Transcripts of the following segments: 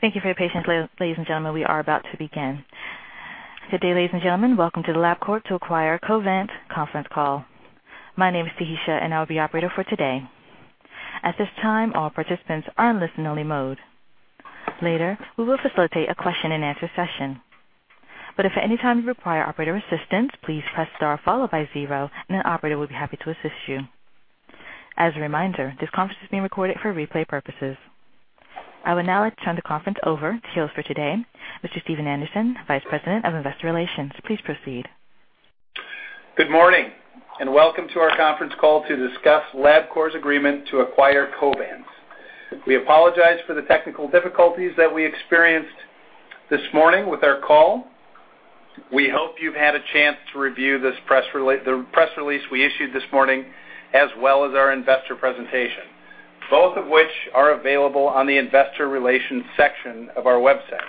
Thank you for your patience, ladies and gentlemen. We are about to begin. Today, ladies and gentlemen, welcome to the Labcorp to acquire Covance conference call. My name is Tahisha, and I will be your operator for today. At this time, all participants are in listen-only mode. Later, we will facilitate a question-and-answer session. If at any time you require operator assistance, please press star followed by zero, and an operator will be happy to assist you. As a reminder, this conference is being recorded for replay purposes. I will now turn the conference over to host for today, Mr. Steven Anderson, Vice President of Investor Relations. Please proceed. Good morning and welcome to our conference call to discuss Labcorp's agreement to acquire Covance. We apologize for the technical difficulties that we experienced this morning with our call. We hope you've had a chance to review the press release we issued this morning, as well as our investor presentation, both of which are available on the investor relations section of our website.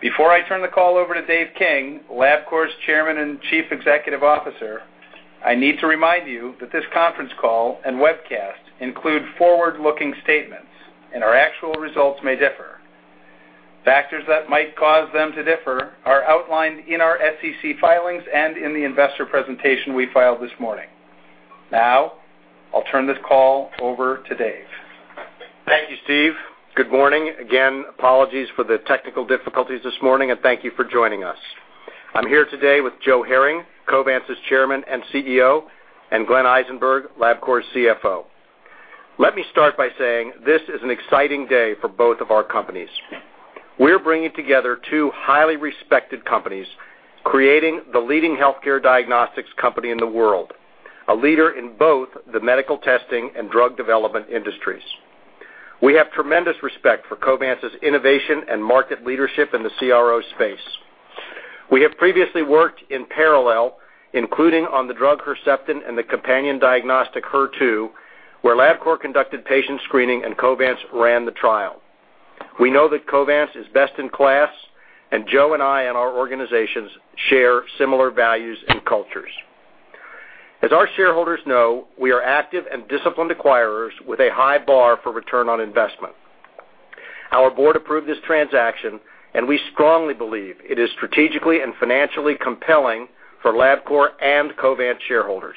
Before I turn the call over to Dave King, Labcorp's Chairman and Chief Executive Officer, I need to remind you that this conference call and webcast include forward-looking statements, and our actual results may differ. Factors that might cause them to differ are outlined in our SEC filings and in the investor presentation we filed this morning. Now, I'll turn this call over to Dave. Thank you, Steve. Good morning. Again, apologies for the technical difficulties this morning, and thank you for joining us. I'm here today with Joe Herring, Covance's Chairman and CEO, and Glenn Eisenberg, Labcorp's CFO. Let me start by saying this is an exciting day for both of our companies. We're bringing together two highly respected companies, creating the leading healthcare diagnostics company in the world, a leader in both the medical testing and drug development industries. We have tremendous respect for Covance's innovation and market leadership in the CRO space. We have previously worked in parallel, including on the drug Herceptin and the companion diagnostic HER2, where Labcorp conducted patient screening and Covance ran the trial. We know that Covance is best in class, and Joe and I and our organizations share similar values and cultures. As our shareholders know, we are active and disciplined acquirers with a high bar for return on investment. Our board approved this transaction, and we strongly believe it is strategically and financially compelling for Labcorp and Covance shareholders.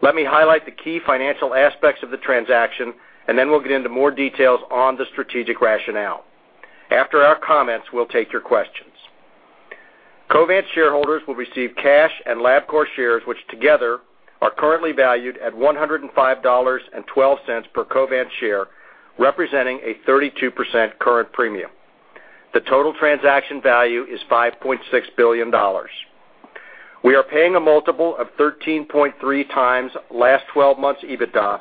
Let me highlight the key financial aspects of the transaction, and then we'll get into more details on the strategic rationale. After our comments, we'll take your questions. Covance shareholders will receive cash and Labcorp shares, which together are currently valued at $105.12 per Covance share, representing a 32% current premium. The total transaction value is $5.6 billion. We are paying a multiple of 13.3 times last 12 months EBITDA,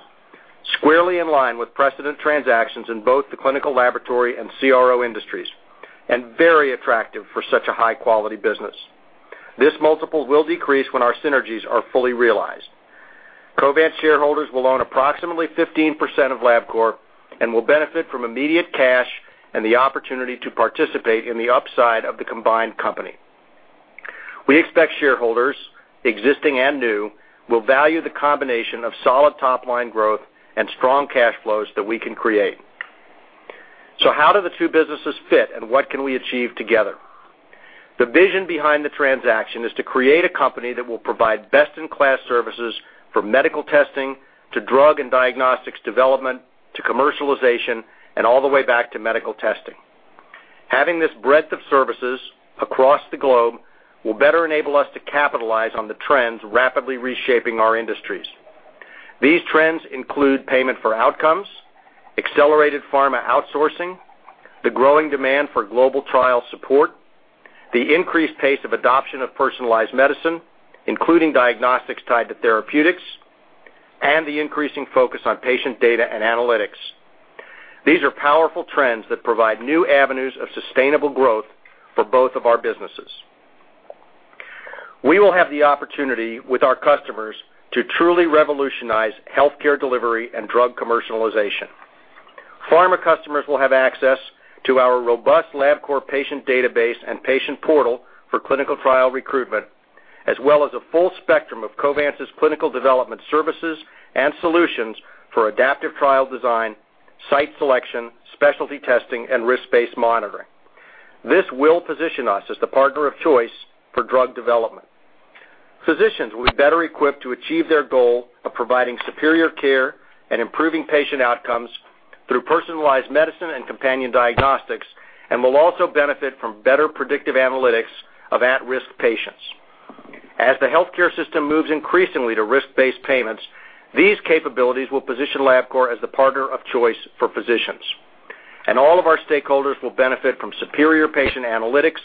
squarely in line with precedent transactions in both the clinical laboratory and CRO industries, and very attractive for such a high-quality business. This multiple will decrease when our synergies are fully realized. Covance shareholders will own approximately 15% of Labcorp and will benefit from immediate cash and the opportunity to participate in the upside of the combined company. We expect shareholders, existing and new, will value the combination of solid top-line growth and strong cash flows that we can create. How do the two businesses fit, and what can we achieve together? The vision behind the transaction is to create a company that will provide best-in-class services from medical testing to drug and diagnostics development to commercialization and all the way back to medical testing. Having this breadth of services across the globe will better enable us to capitalize on the trends rapidly reshaping our industries. These trends include payment for outcomes, accelerated pharma outsourcing, the growing demand for global trial support, the increased pace of adoption of personalized medicine, including diagnostics tied to therapeutics, and the increasing focus on patient data and analytics. These are powerful trends that provide new avenues of sustainable growth for both of our businesses. We will have the opportunity with our customers to truly revolutionize healthcare delivery and drug commercialization. Pharma customers will have access to our robust Labcorp patient database and patient portal for clinical trial recruitment, as well as a full spectrum of Covance's clinical development services and solutions for adaptive trial design, site selection, specialty testing, and risk-based monitoring. This will position us as the partner of choice for drug development. Physicians will be better equipped to achieve their goal of providing superior care and improving patient outcomes through personalized medicine and companion diagnostics, and will also benefit from better predictive analytics of at-risk patients. As the healthcare system moves increasingly to risk-based payments, these capabilities will position Labcorp as the partner of choice for physicians. All of our stakeholders will benefit from superior patient analytics,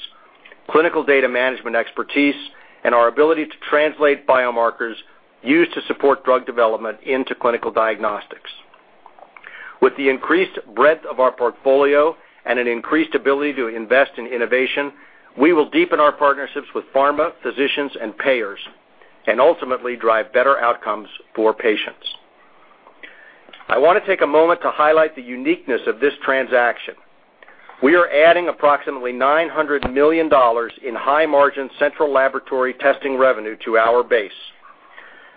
clinical data management expertise, and our ability to translate biomarkers used to support drug development into clinical diagnostics. With the increased breadth of our portfolio and an increased ability to invest in innovation, we will deepen our partnerships with pharma, physicians, and payers, and ultimately drive better outcomes for patients. I want to take a moment to highlight the uniqueness of this transaction. We are adding approximately $900 million in high-margin central laboratory testing revenue to our base.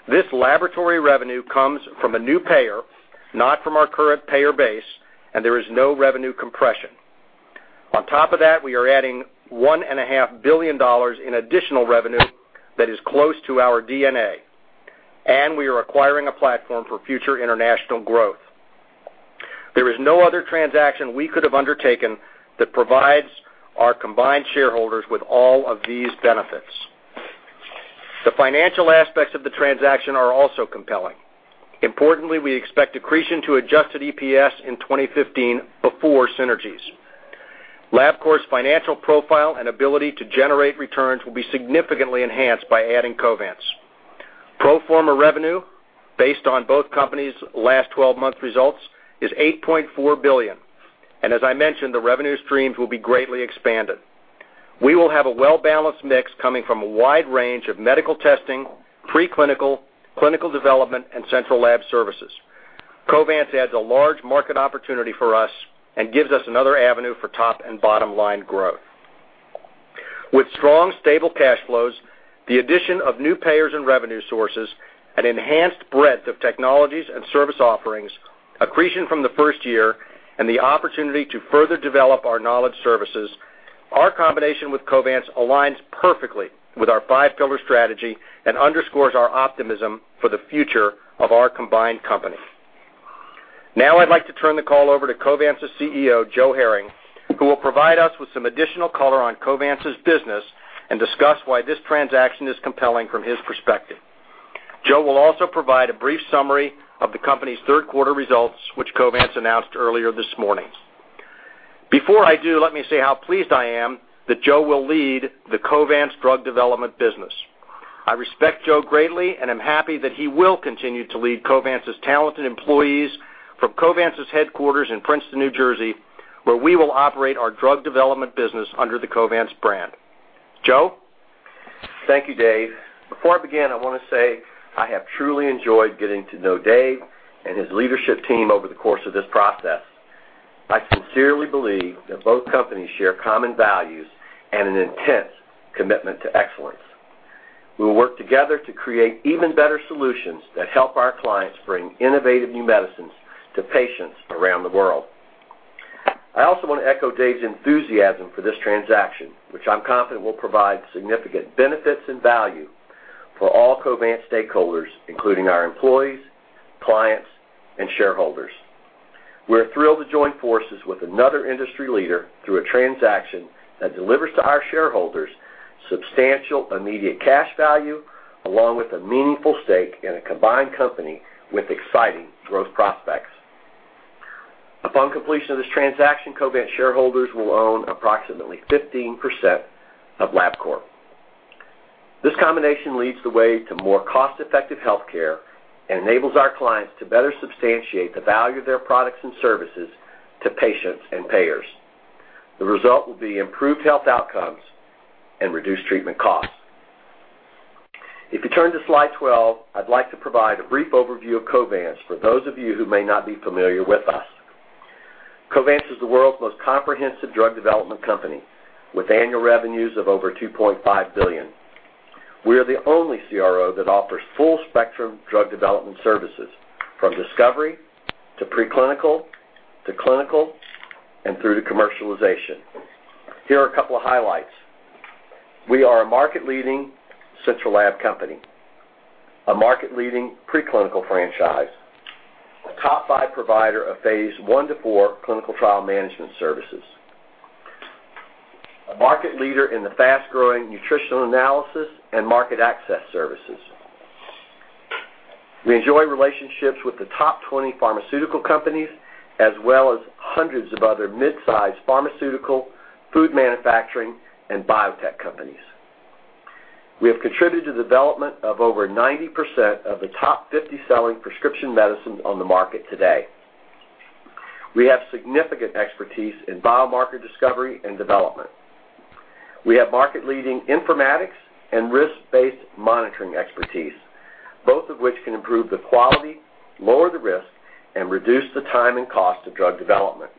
This laboratory revenue comes from a new payer, not from our current payer base, and there is no revenue compression. On top of that, we are adding $1.5 billion in additional revenue that is close to our DNA, and we are acquiring a platform for future international growth. There is no other transaction we could have undertaken that provides our combined shareholders with all of these benefits. The financial aspects of the transaction are also compelling. Importantly, we expect accretion to adjusted EPS in 2015 before synergies. Labcorp's financial profile and ability to generate returns will be significantly enhanced by adding Covance. Pro forma revenue, based on both companies' last 12-month results, is $8.4 billion. As I mentioned, the revenue streams will be greatly expanded. We will have a well-balanced mix coming from a wide range of medical testing, preclinical, clinical development, and central lab services. Covance adds a large market opportunity for us and gives us another avenue for top and bottom-line growth. With strong, stable cash flows, the addition of new payers and revenue sources, an enhanced breadth of technologies and service offerings, accretion from the first year, and the opportunity to further develop our knowledge services, our combination with Covance aligns perfectly with our five-pillar strategy and underscores our optimism for the future of our combined company. Now, I'd like to turn the call over to Covance's CEO, Joe Herring, who will provide us with some additional color on Covance's business and discuss why this transaction is compelling from his perspective. Joe will also provide a brief summary of the company's third-quarter results, which Covance announced earlier this morning. Before I do, let me say how pleased I am that Joe will lead the Covance drug development business. I respect Joe greatly and am happy that he will continue to lead Covance's talented employees from Covance's headquarters in Princeton, New Jersey, where we will operate our drug development business under the Covance brand. Joe? Thank you, Dave. Before I begin, I want to say I have truly enjoyed getting to know Dave and his leadership team over the course of this process. I sincerely believe that both companies share common values and an intense commitment to excellence. We will work together to create even better solutions that help our clients bring innovative new medicines to patients around the world. I also want to echo Dave's enthusiasm for this transaction, which I'm confident will provide significant benefits and value for all Covance stakeholders, including our employees, clients, and shareholders. We're thrilled to join forces with another industry leader through a transaction that delivers to our shareholders substantial immediate cash value, along with a meaningful stake in a combined company with exciting growth prospects. Upon completion of this transaction, Covance shareholders will own approximately 15% of Labcorp. This combination leads the way to more cost-effective healthcare and enables our clients to better substantiate the value of their products and services to patients and payers. The result will be improved health outcomes and reduced treatment costs. If you turn to slide 12, I'd like to provide a brief overview of Covance for those of you who may not be familiar with us. Covance is the world's most comprehensive drug development company, with annual revenues of over $2.5 billion. We are the only CRO that offers full-spectrum drug development services, from discovery to preclinical to clinical and through to commercialization. Here are a couple of highlights. We are a market-leading central lab company, a market-leading preclinical franchise, a top-five provider of phase I to IV clinical trial management services, a market leader in the fast-growing nutritional analysis and market access services. We enjoy relationships with the top 20 pharmaceutical companies, as well as hundreds of other midsize pharmaceutical, food manufacturing, and biotech companies. We have contributed to the development of over 90% of the top 50 selling prescription medicines on the market today. We have significant expertise in biomarker discovery and development. We have market-leading informatics and risk-based monitoring expertise, both of which can improve the quality, lower the risk, and reduce the time and cost of drug development.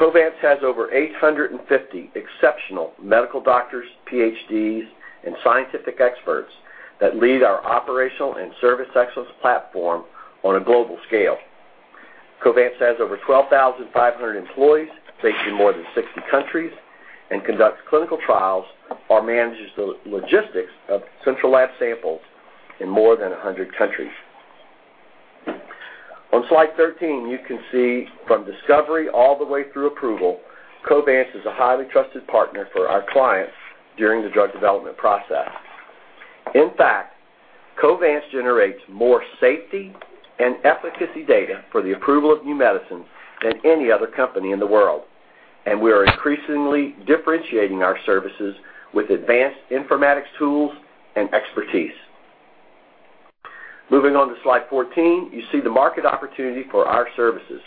Covance has over 850 exceptional medical doctors, PhDs, and scientific experts that lead our operational and service excellence platform on a global scale. Covance has over 12,500 employees based in more than 60 countries and conducts clinical trials or manages the logistics of central lab samples in more than 100 countries. On slide 13, you can see from discovery all the way through approval, Covance is a highly trusted partner for our clients during the drug development process. In fact, Covance generates more safety and efficacy data for the approval of new medicines than any other company in the world, and we are increasingly differentiating our services with advanced informatics tools and expertise. Moving on to slide 14, you see the market opportunity for our services.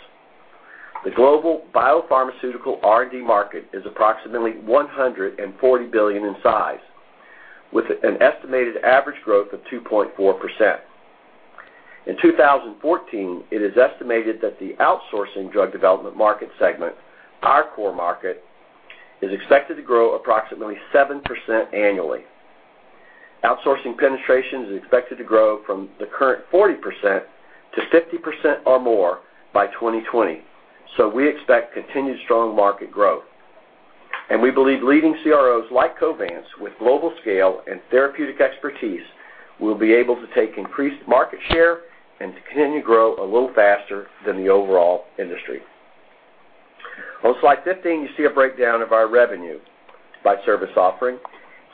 The global biopharmaceutical R&D market is approximately $140 billion in size, with an estimated average growth of 2.4%. In 2014, it is estimated that the outsourcing drug development market segment, our core market, is expected to grow approximately 7% annually. Outsourcing penetration is expected to grow from the current 40% to 50% or more by 2020, so we expect continued strong market growth. We believe leading CROs like Covance, with global scale and therapeutic expertise, will be able to take increased market share and continue to grow a little faster than the overall industry. On slide 15, you see a breakdown of our revenue by service offering,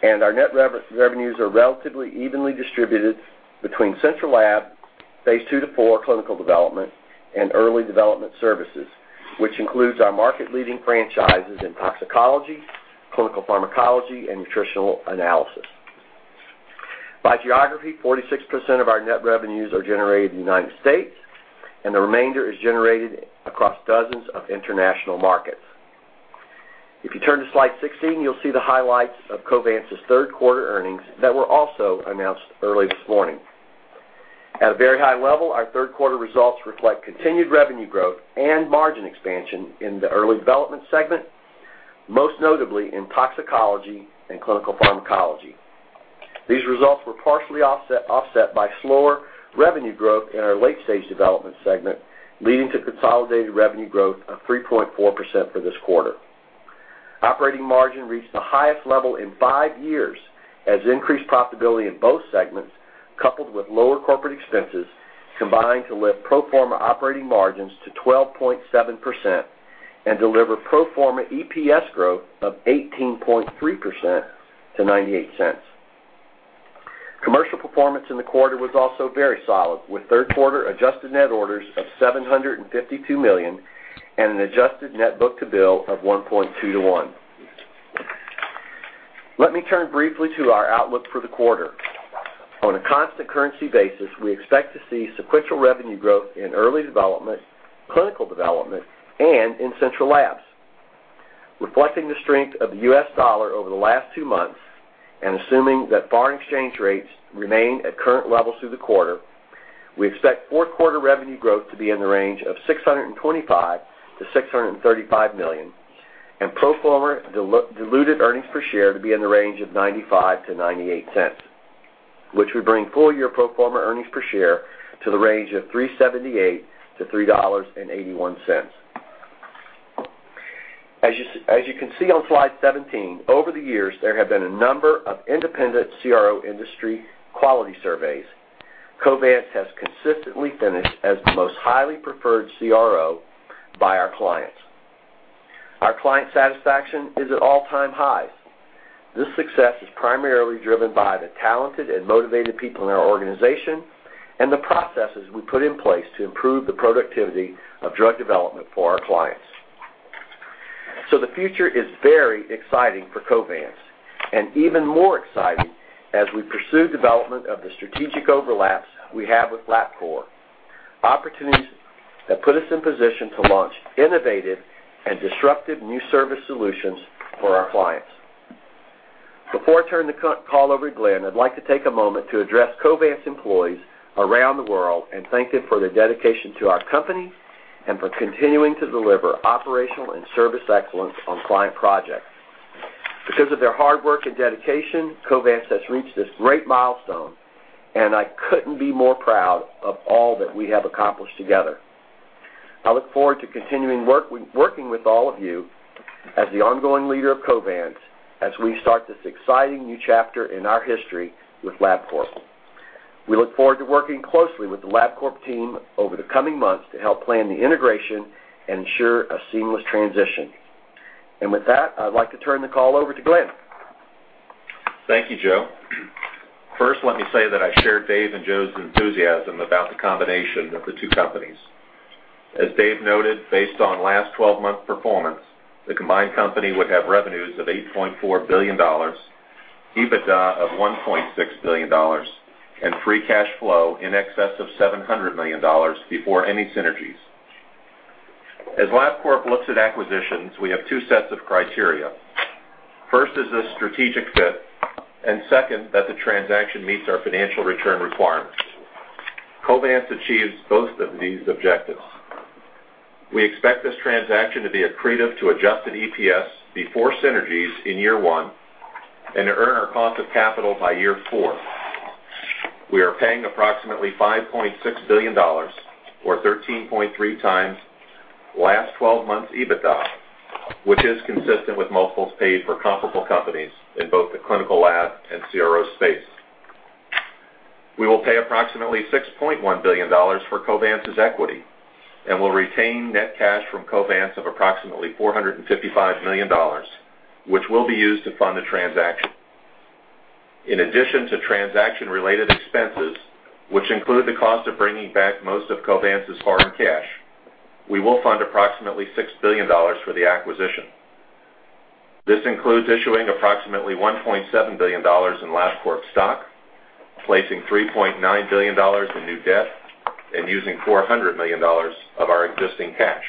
and our net revenues are relatively evenly distributed between central lab, phase two to four clinical development, and early development services, which includes our market-leading franchises in toxicology, clinical pharmacology, and nutritional analysis. By geography, 46% of our net revenues are generated in the United States, and the remainder is generated across dozens of international markets. If you turn to slide 16, you'll see the highlights of Covance's third-quarter earnings that were also announced early this morning. At a very high level, our third-quarter results reflect continued revenue growth and margin expansion in the early development segment, most notably in toxicology and clinical pharmacology. These results were partially offset by slower revenue growth in our late-stage development segment, leading to consolidated revenue growth of 3.4% for this quarter. Operating margin reached the highest level in five years as increased profitability in both segments, coupled with lower corporate expenses, combined to lift pro forma operating margins to 12.7% and deliver pro forma EPS growth of 18.3% to $0.98. Commercial performance in the quarter was also very solid, with third-quarter adjusted net orders of $752 million and an adjusted net book to bill of 1.2-1. Let me turn briefly to our outlook for the quarter. On a constant currency basis, we expect to see sequential revenue growth in early development, clinical development, and in central labs. Reflecting the strength of the US dollar over the last two months and assuming that foreign exchange rates remain at current levels through the quarter, we expect fourth-quarter revenue growth to be in the range of $625-$635 million and pro forma diluted earnings per share to be in the range of $0.95-$0.98, which would bring full-year pro forma earnings per share to the range of $3.78-$3.81. As you can see on slide 17, over the years, there have been a number of independent CRO industry quality surveys. Covance has consistently finished as the most highly preferred CRO by our clients. Our client satisfaction is at all-time highs. This success is primarily driven by the talented and motivated people in our organization and the processes we put in place to improve the productivity of drug development for our clients. The future is very exciting for Covance, and even more exciting as we pursue development of the strategic overlaps we have with Labcorp, opportunities that put us in position to launch innovative and disruptive new service solutions for our clients. Before I turn the call over to Glenn, I'd like to take a moment to address Covance's employees around the world and thank them for their dedication to our company and for continuing to deliver operational and service excellence on client projects. Because of their hard work and dedication, Covance has reached this great milestone, and I couldn't be more proud of all that we have accomplished together. I look forward to continuing working with all of you as the ongoing leader of Covance as we start this exciting new chapter in our history with Labcorp. We look forward to working closely with the Labcorp team over the coming months to help plan the integration and ensure a seamless transition. With that, I'd like to turn the call over to Glenn. Thank you, Joe. First, let me say that I share Dave and Joe's enthusiasm about the combination of the two companies. As Dave noted, based on last 12-month performance, the combined company would have revenues of $8.4 billion, EBITDA of $1.6 billion, and free cash flow in excess of $700 million before any synergies. As Labcorp looks at acquisitions, we have two sets of criteria. First is a strategic fit, and second, that the transaction meets our financial return requirements. Covance achieves both of these objectives. We expect this transaction to be accretive to adjusted EPS before synergies in year one and to earn our cost of capital by year four. We are paying approximately $5.6 billion, or 13.3 times last 12 months' EBITDA, which is consistent with multiples paid for comparable companies in both the clinical lab and CRO space. We will pay approximately $6.1 billion for Covance's equity and will retain net cash from Covance of approximately $455 million, which will be used to fund the transaction. In addition to transaction-related expenses, which include the cost of bringing back most of Covance's foreign cash, we will fund approximately $6 billion for the acquisition. This includes issuing approximately $1.7 billion in Labcorp stock, placing $3.9 billion in new debt, and using $400 million of our existing cash.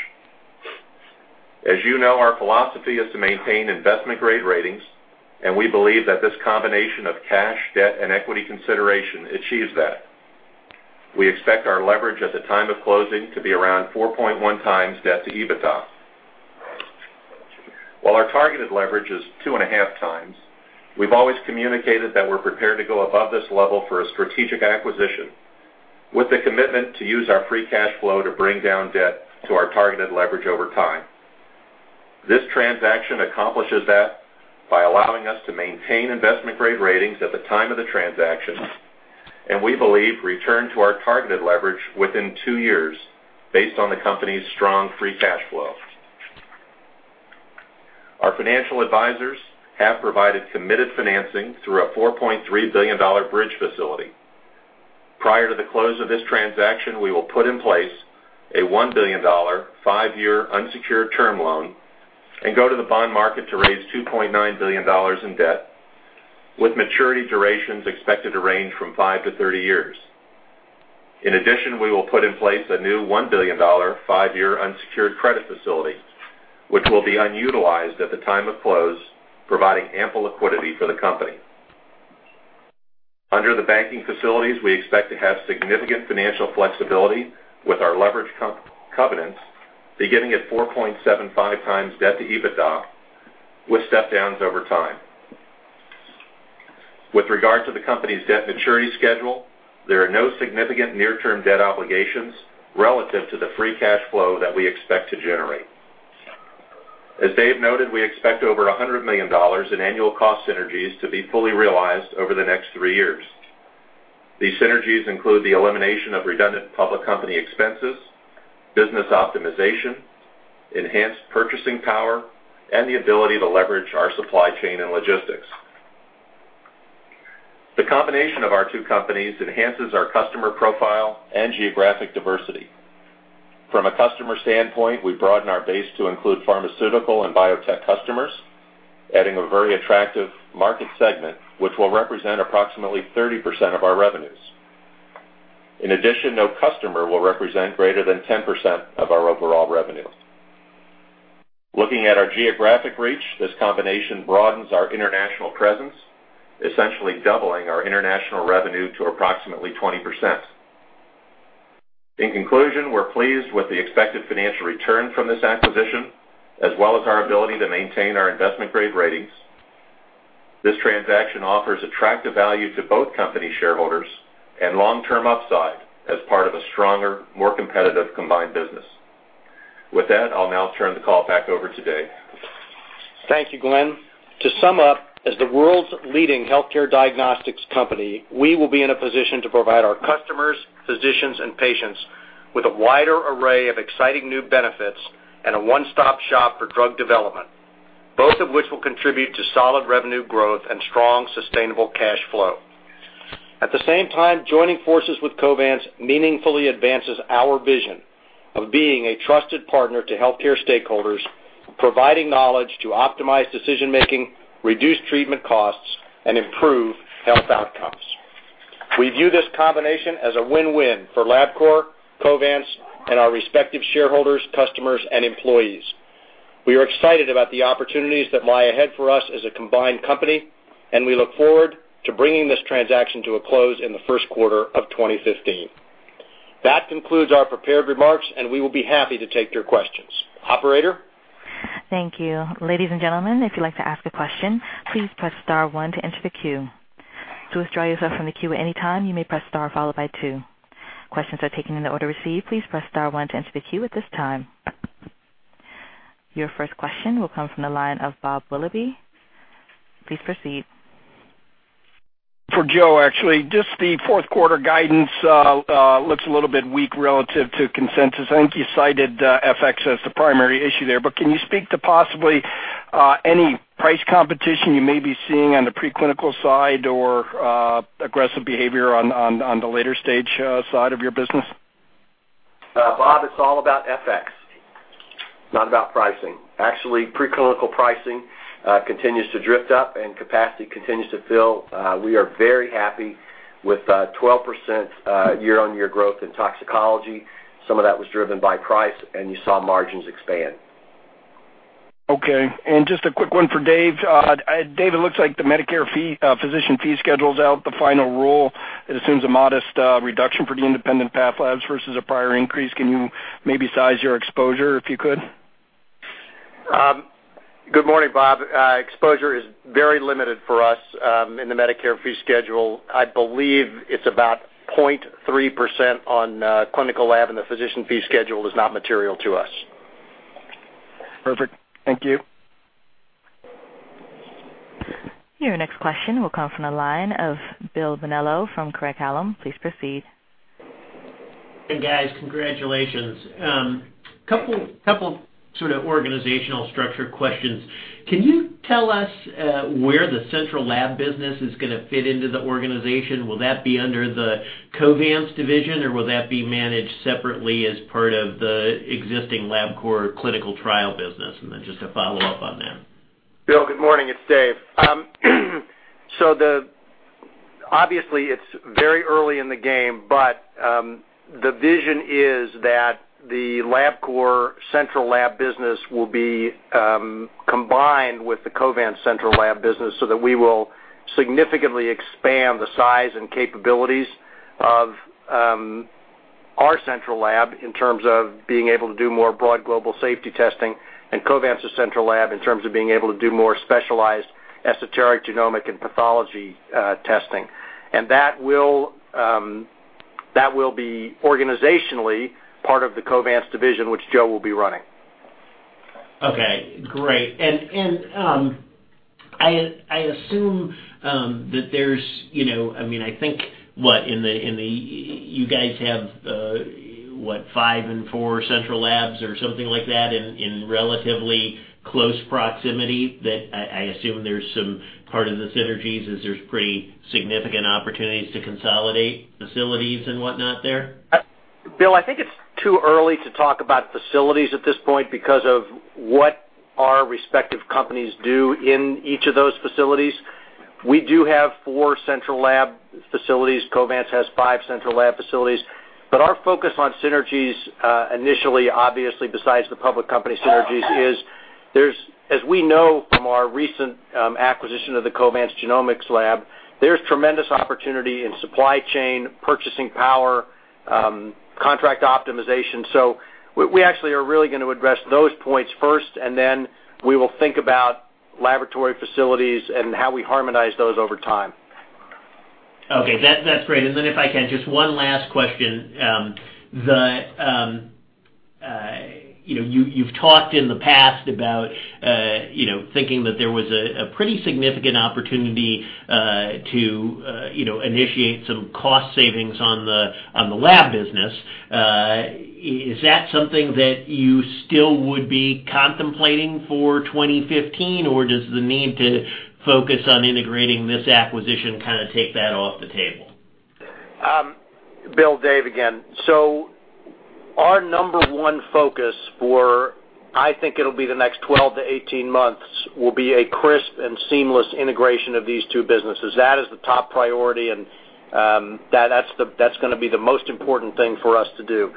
As you know, our philosophy is to maintain investment-grade ratings, and we believe that this combination of cash, debt, and equity consideration achieves that. We expect our leverage at the time of closing to be around 4.1 times debt to EBITDA. While our targeted leverage is two and a half times, we've always communicated that we're prepared to go above this level for a strategic acquisition, with the commitment to use our free cash flow to bring down debt to our targeted leverage over time. This transaction accomplishes that by allowing us to maintain investment-grade ratings at the time of the transaction, and we believe return to our targeted leverage within two years based on the company's strong free cash flow. Our financial advisors have provided committed financing through a $4.3 billion bridge facility. Prior to the close of this transaction, we will put in place a $1 billion five-year unsecured term loan and go to the bond market to raise $2.9 billion in debt, with maturity durations expected to range from 5 to 30 years. In addition, we will put in place a new $1 billion five-year unsecured credit facility, which will be unutilized at the time of close, providing ample liquidity for the company. Under the banking facilities, we expect to have significant financial flexibility with our leverage covenants, beginning at 4.75 times debt to EBITDA, with step-downs over time. With regard to the company's debt maturity schedule, there are no significant near-term debt obligations relative to the free cash flow that we expect to generate. As Dave noted, we expect over $100 million in annual cost synergies to be fully realized over the next three years. These synergies include the elimination of redundant public company expenses, business optimization, enhanced purchasing power, and the ability to leverage our supply chain and logistics. The combination of our two companies enhances our customer profile and geographic diversity. From a customer standpoint, we broaden our base to include pharmaceutical and biotech customers, adding a very attractive market segment, which will represent approximately 30% of our revenues. In addition, no customer will represent greater than 10% of our overall revenue. Looking at our geographic reach, this combination broadens our international presence, essentially doubling our international revenue to approximately 20%. In conclusion, we're pleased with the expected financial return from this acquisition, as well as our ability to maintain our investment-grade ratings. This transaction offers attractive value to both company shareholders and long-term upside as part of a stronger, more competitive combined business. With that, I'll now turn the call back over to Dave. Thank you, Glenn. To sum up, as the world's leading healthcare diagnostics company, we will be in a position to provide our customers, physicians, and patients with a wider array of exciting new benefits and a one-stop shop for drug development, both of which will contribute to solid revenue growth and strong, sustainable cash flow. At the same time, joining forces with Covance meaningfully advances our vision of being a trusted partner to healthcare stakeholders, providing knowledge to optimize decision-making, reduce treatment costs, and improve health outcomes. We view this combination as a win-win for Labcorp, Covance, and our respective shareholders, customers, and employees. We are excited about the opportunities that lie ahead for us as a combined company, and we look forward to bringing this transaction to a close in the first quarter of 2015. That concludes our prepared remarks, and we will be happy to take your questions. Operator. Thank you. Ladies and gentlemen, if you'd like to ask a question, please press star one to enter the queue. To withdraw yourself from the queue at any time, you may press star followed by two. Questions are taken in the order received. Please press star one to enter the queue at this time. Your first question will come from the line of Bob Willoughby. Please proceed. For Joe, actually, just the fourth-quarter guidance looks a little bit weak relative to consensus. I think you cited FX as the primary issue there, but can you speak to possibly any price competition you may be seeing on the preclinical side or aggressive behavior on the later stage side of your business? Bob, it's all about FX, not about pricing. Actually, preclinical pricing continues to drift up, and capacity continues to fill. We are very happy with 12% year-on-year growth in toxicology. Some of that was driven by price, and you saw margins expand. Okay. And just a quick one for Dave. Dave, it looks like the Medicare physician fee schedule is out. The final rule assumes a modest reduction for the independent path labs versus a prior increase. Can you maybe size your exposure if you could? Good morning, Bob. Exposure is very limited for us in the Medicare fee schedule. I believe it's about 0.3% on clinical lab, and the physician fee schedule is not material to us. Perfect. Thank you. Your next question will come from the line of Bill Bonello from Craig Hallam. Please proceed. Hey, guys. Congratulations. A couple of sort of organizational structure questions. Can you tell us where the central lab business is going to fit into the organization? Will that be under the Covance division, or will that be managed separately as part of the existing Labcorp clinical trial business? And then just a follow-up on that. Bill, good morning. It's Dave. Obviously, it's very early in the game, but the vision is that the Labcorp central lab business will be combined with the Covance central lab business so that we will significantly expand the size and capabilities of our central lab in terms of being able to do more broad global safety testing and Covance's central lab in terms of being able to do more specialized esoteric genomic and pathology testing. That will be organizationally part of the Covance division, which Joe will be running. Okay. Great. I assume that there's—I mean, I think, what, in the—you guys have, what, five and four central labs or something like that in relatively close proximity? I assume there's some part of the synergies as there's pretty significant opportunities to consolidate facilities and whatnot there? Bill, I think it's too early to talk about facilities at this point because of what our respective companies do in each of those facilities. We do have four central lab facilities. Covance has five central lab facilities. Our focus on synergies initially, obviously, besides the public company synergies, is there's—as we know from our recent acquisition of the Covance genomics lab, there's tremendous opportunity in supply chain, purchasing power, contract optimization. We actually are really going to address those points first, and then we will think about laboratory facilities and how we harmonize those over time. Okay. That's great. If I can, just one last question. You've talked in the past about thinking that there was a pretty significant opportunity to initiate some cost savings on the lab business. Is that something that you still would be contemplating for 2015, or does the need to focus on integrating this acquisition kind of take that off the table? Bill, Dave, again. Our number one focus for—I think it'll be the next 12 to 18 months—will be a crisp and seamless integration of these two businesses. That is the top priority, and that's going to be the most important thing for us to do.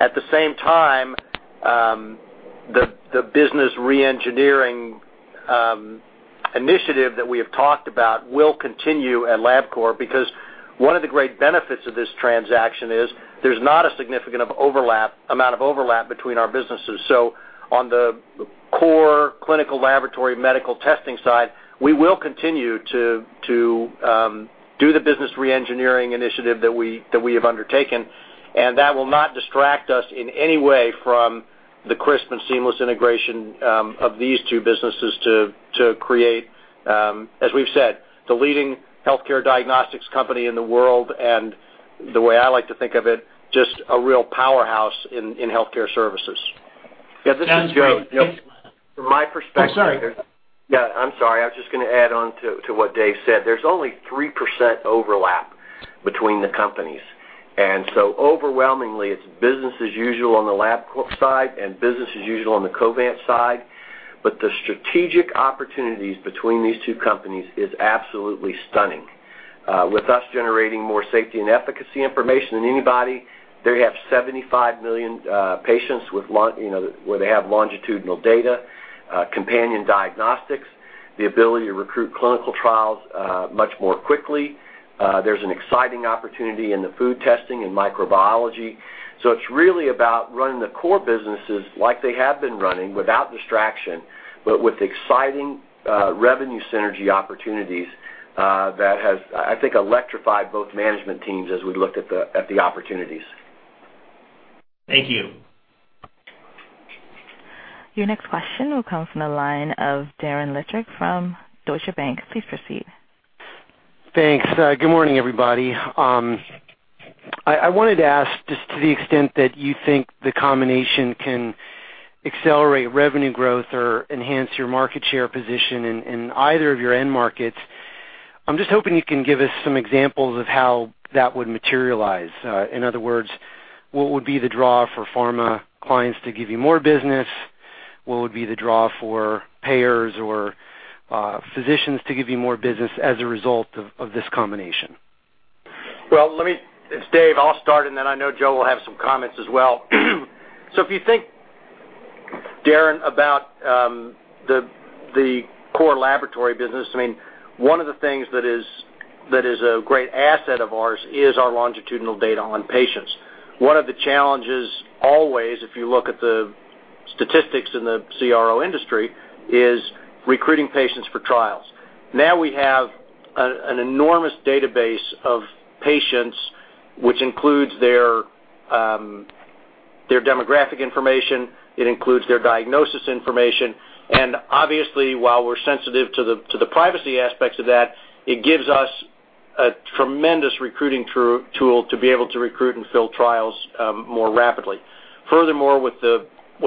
At the same time, the business re-engineering initiative that we have talked about will continue at Labcorp because one of the great benefits of this transaction is there's not a significant amount of overlap between our businesses. On the core clinical laboratory medical testing side, we will continue to do the business re-engineering initiative that we have undertaken, and that will not distract us in any way from the crisp and seamless integration of these two businesses to create, as we've said, the leading healthcare diagnostics company in the world and, the way I like to think of it, just a real powerhouse in healthcare services. Yeah. This is great. From my perspective. I'm sorry. Yeah. I'm sorry. I was just going to add on to what Dave said. There's only 3% overlap between the companies. Overwhelmingly, it's business as usual on the Labcorp side and business as usual on the Covance side, but the strategic opportunities between these two companies are absolutely stunning. With us generating more safety and efficacy information than anybody, they have 75 million patients where they have longitudinal data, companion diagnostics, the ability to recruit clinical trials much more quickly. There's an exciting opportunity in the food testing and microbiology. It's really about running the core businesses like they have been running without distraction, but with exciting revenue synergy opportunities that has, I think, electrified both management teams as we looked at the opportunities. Thank you. Your next question will come from the line of Darren Lehrich from Deutsche Bank. Please proceed. Thanks. Good morning, everybody. I wanted to ask just to the extent that you think the combination can accelerate revenue growth or enhance your market share position in either of your end markets. I'm just hoping you can give us some examples of how that would materialize. In other words, what would be the draw for pharma clients to give you more business? What would be the draw for payers or physicians to give you more business as a result of this combination? Let me—it's Dave. I'll start, and then I know Joe will have some comments as well. If you think, Darin, about the core laboratory business, I mean, one of the things that is a great asset of ours is our longitudinal data on patients. One of the challenges always, if you look at the statistics in the CRO industry, is recruiting patients for trials. Now we have an enormous database of patients, which includes their demographic information. It includes their diagnosis information. Obviously, while we're sensitive to the privacy aspects of that, it gives us a tremendous recruiting tool to be able to recruit and fill trials more rapidly. Furthermore, with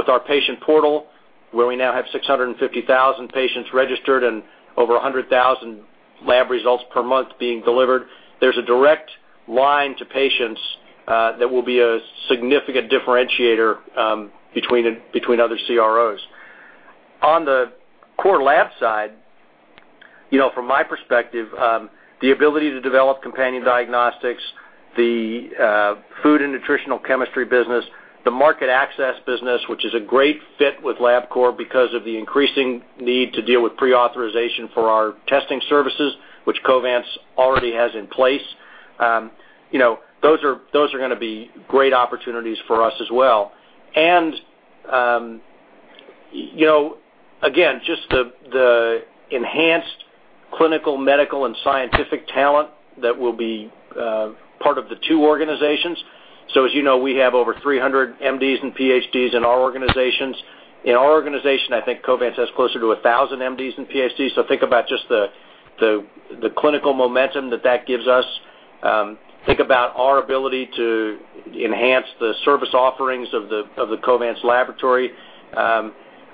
our patient portal, where we now have 650,000 patients registered and over 100,000 lab results per month being delivered, there's a direct line to patients that will be a significant differentiator between other CROs. On the core lab side, from my perspective, the ability to develop companion diagnostics, the food and nutritional chemistry business, the market access business, which is a great fit with Labcorp because of the increasing need to deal with pre-authorization for our testing services, which Covance already has in place, those are going to be great opportunities for us as well. Again, just the enhanced clinical, medical, and scientific talent that will be part of the two organizations. As you know, we have over 300 MDs and PhDs in our organizations. In our organization, I think Covance has closer to 1,000 MDs and PhDs. Think about just the clinical momentum that that gives us. Think about our ability to enhance the service offerings of the Covance laboratory.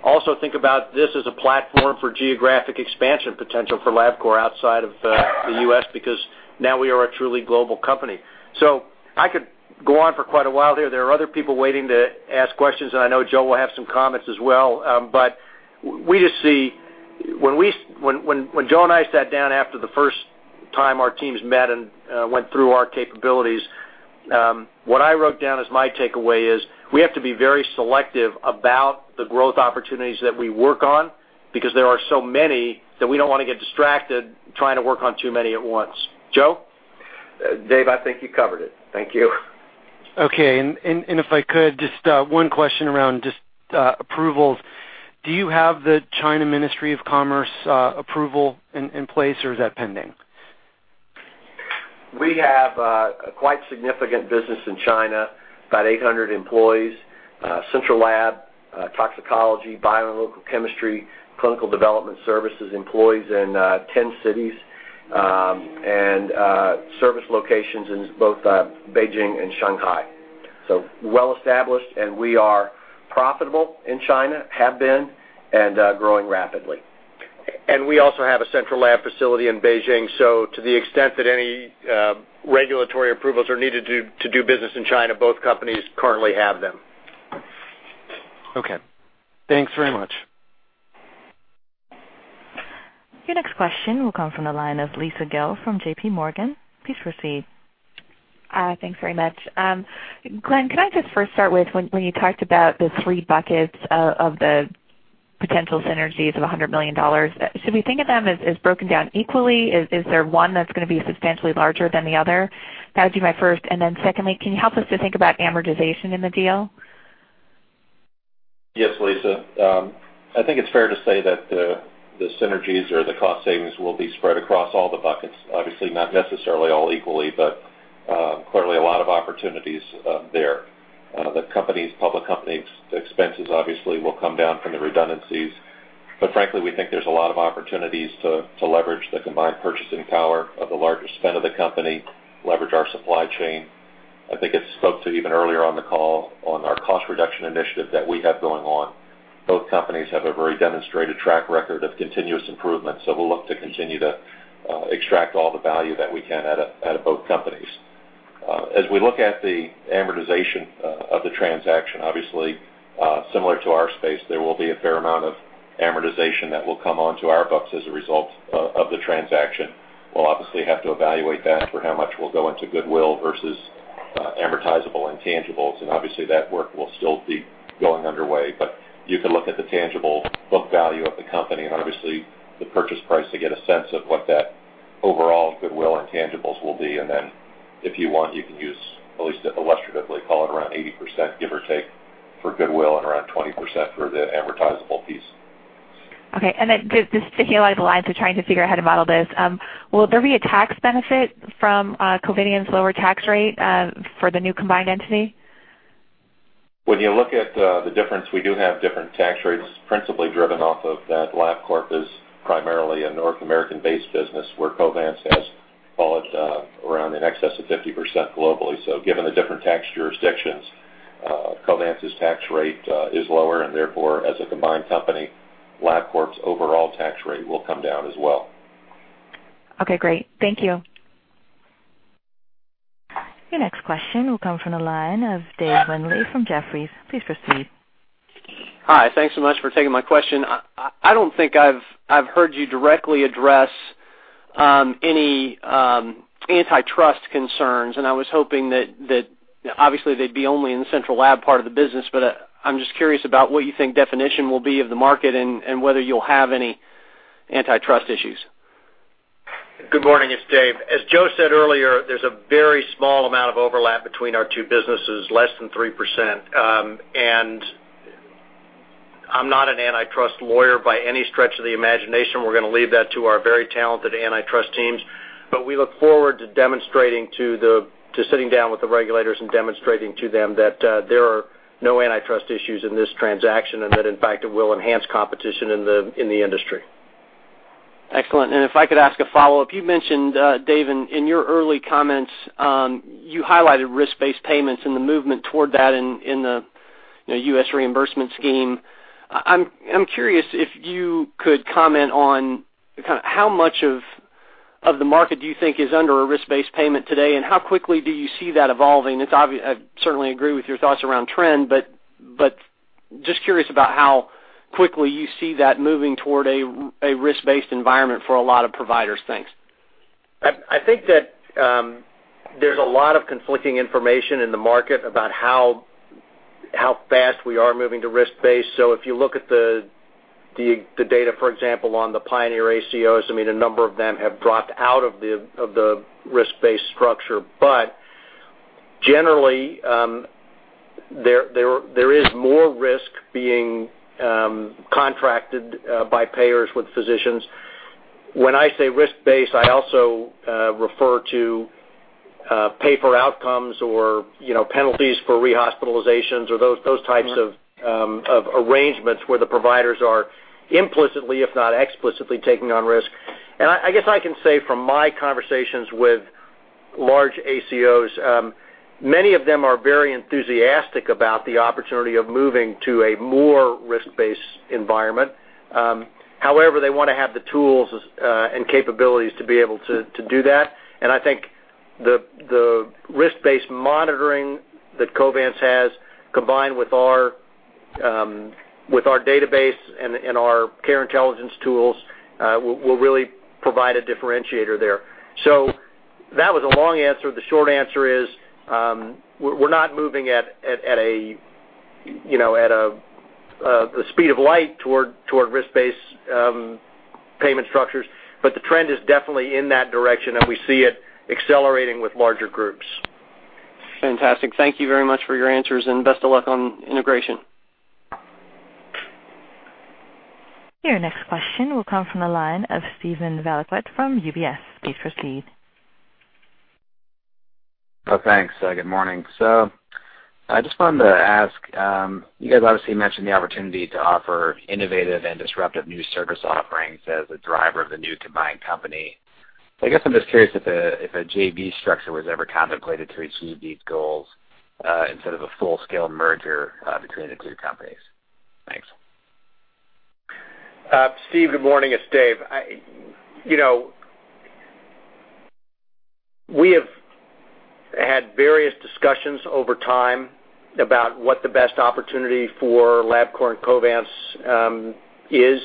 Also, think about this as a platform for geographic expansion potential for Labcorp outside of the U.S. because now we are a truly global company. I could go on for quite a while here. There are other people waiting to ask questions, and I know Joe will have some comments as well. When Joe and I sat down after the first time our teams met and went through our capabilities, what I wrote down as my takeaway is we have to be very selective about the growth opportunities that we work on because there are so many that we do not want to get distracted trying to work on too many at once. Joe? Dave, I think you covered it. Thank you. Okay. And if I could, just one question around just approvals. Do you have the China Ministry of Commerce approval in place, or is that pending? We have a quite significant business in China, about 800 employees. Central lab, toxicology, biochemistry, clinical development services employees in 10 cities and service locations in both Beijing and Shanghai. Well established, and we are profitable in China, have been, and growing rapidly. We also have a central lab facility in Beijing. To the extent that any regulatory approvals are needed to do business in China, both companies currently have them. Okay. Thanks very much. Your next question will come from the line of Lisa Gill from JP Morgan. Please proceed. Thanks very much. Glenn, can I just first start with when you talked about the three buckets of the potential synergies of $100 million, should we think of them as broken down equally? Is there one that's going to be substantially larger than the other? That would be my first. Secondly, can you help us to think about amortization in the deal? Yes, Lisa. I think it's fair to say that the synergies or the cost savings will be spread across all the buckets. Obviously, not necessarily all equally, but clearly a lot of opportunities there. The companies, public companies' expenses obviously will come down from the redundancies. Frankly, we think there's a lot of opportunities to leverage the combined purchasing power of the larger spend of the company, leverage our supply chain. I think I spoke to even earlier on the call on our cost reduction initiative that we have going on. Both companies have a very demonstrated track record of continuous improvement, so we'll look to continue to extract all the value that we can out of both companies. As we look at the amortization of the transaction, obviously, similar to our space, there will be a fair amount of amortization that will come onto our books as a result of the transaction. We'll obviously have to evaluate that for how much will go into goodwill versus amortizable and tangibles. Obviously, that work will still be going underway. You can look at the tangible book value of the company and the purchase price to get a sense of what that overall goodwill and tangibles will be. If you want, you can use at least illustratively, call it around 80%, give or take, for goodwill and around 20% for the amortizable piece. Okay. And then just to heal out of the lines of trying to figure out how to model this, will there be a tax benefit from Covance's lower tax rate for the new combined entity? When you look at the difference, we do have different tax rates. Principally driven off of that, Labcorp is primarily a North American-based business where Covance has called around in excess of 50% globally. Given the different tax jurisdictions, Covance's tax rate is lower, and therefore, as a combined company, Labcorp's overall tax rate will come down as well. Okay. Great. Thank you. Your next question will come from the line of Dave Windley from Jefferies. Please proceed. Hi. Thanks so much for taking my question. I don't think I've heard you directly address any antitrust concerns, and I was hoping that obviously they'd be only in the central lab part of the business, but I'm just curious about what you think definition will be of the market and whether you'll have any antitrust issues. Good morning. It's Dave. As Joe said earlier, there's a very small amount of overlap between our two businesses, less than 3%. I'm not an antitrust lawyer by any stretch of the imagination. We're going to leave that to our very talented antitrust teams. We look forward to sitting down with the regulators and demonstrating to them that there are no antitrust issues in this transaction and that, in fact, it will enhance competition in the industry. Excellent. If I could ask a follow-up, you mentioned, Dave, in your early comments, you highlighted risk-based payments and the movement toward that in the U.S. reimbursement scheme. I'm curious if you could comment on kind of how much of the market do you think is under a risk-based payment today, and how quickly do you see that evolving? I certainly agree with your thoughts around trend, but just curious about how quickly you see that moving toward a risk-based environment for a lot of providers. Thanks. I think that there's a lot of conflicting information in the market about how fast we are moving to risk-based. If you look at the data, for example, on the Pioneer ACOs, I mean, a number of them have dropped out of the risk-based structure. Generally, there is more risk being contracted by payers with physicians. When I say risk-based, I also refer to pay-for-outcomes or penalties for re-hospitalizations or those types of arrangements where the providers are implicitly, if not explicitly, taking on risk. I guess I can say from my conversations with large ACOs, many of them are very enthusiastic about the opportunity of moving to a more risk-based environment. However, they want to have the tools and capabilities to be able to do that. I think the risk-based monitoring that Covance has, combined with our database and our care intelligence tools, will really provide a differentiator there. That was a long answer. The short answer is we're not moving at the speed of light toward risk-based payment structures, but the trend is definitely in that direction, and we see it accelerating with larger groups. Fantastic. Thank you very much for your answers, and best of luck on integration. Your next question will come from the line of Steven Valiquette from UBS. Please proceed. Thanks. Good morning. I just wanted to ask, you guys obviously mentioned the opportunity to offer innovative and disruptive new service offerings as a driver of the new combined company. I guess I'm just curious if a JV structure was ever contemplated to achieve these goals instead of a full-scale merger between the two companies. Thanks. Steve, good morning. It's Dave. We have had various discussions over time about what the best opportunity for Labcorp and Covance is.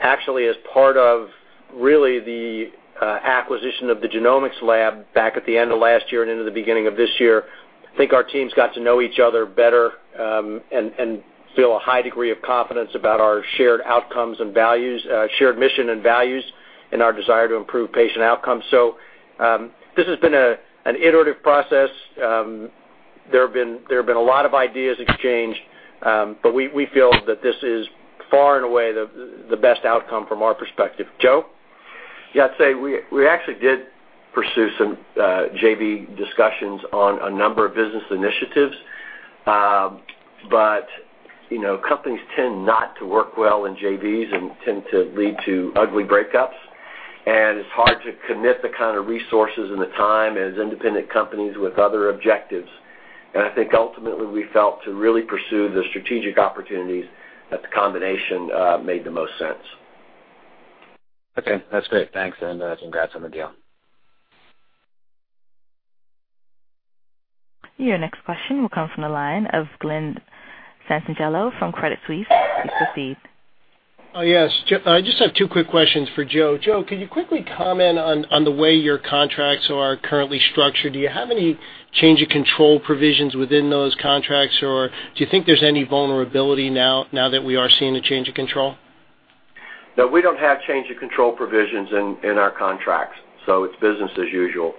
Actually, as part of really the acquisition of the genomics lab back at the end of last year and into the beginning of this year, I think our teams got to know each other better and feel a high degree of confidence about our shared outcomes and values, shared mission and values, and our desire to improve patient outcomes. This has been an iterative process. There have been a lot of ideas exchanged, but we feel that this is far and away the best outcome from our perspective. Joe? Yeah. I'd say we actually did pursue some JV discussions on a number of business initiatives, but companies tend not to work well in JVs and tend to lead to ugly breakups. It is hard to commit the kind of resources and the time as independent companies with other objectives. I think ultimately we felt to really pursue the strategic opportunities that the combination made the most sense. Okay. That's great. Thanks. Congrats on the deal. Your next question will come from the line of Glenn Santangelo from Credit Suisse. Please proceed. Yes. I just have two quick questions for Joe. Joe, can you quickly comment on the way your contracts are currently structured? Do you have any change of control provisions within those contracts, or do you think there's any vulnerability now that we are seeing a change of control? No, we don't have change of control provisions in our contracts. So it's business as usual.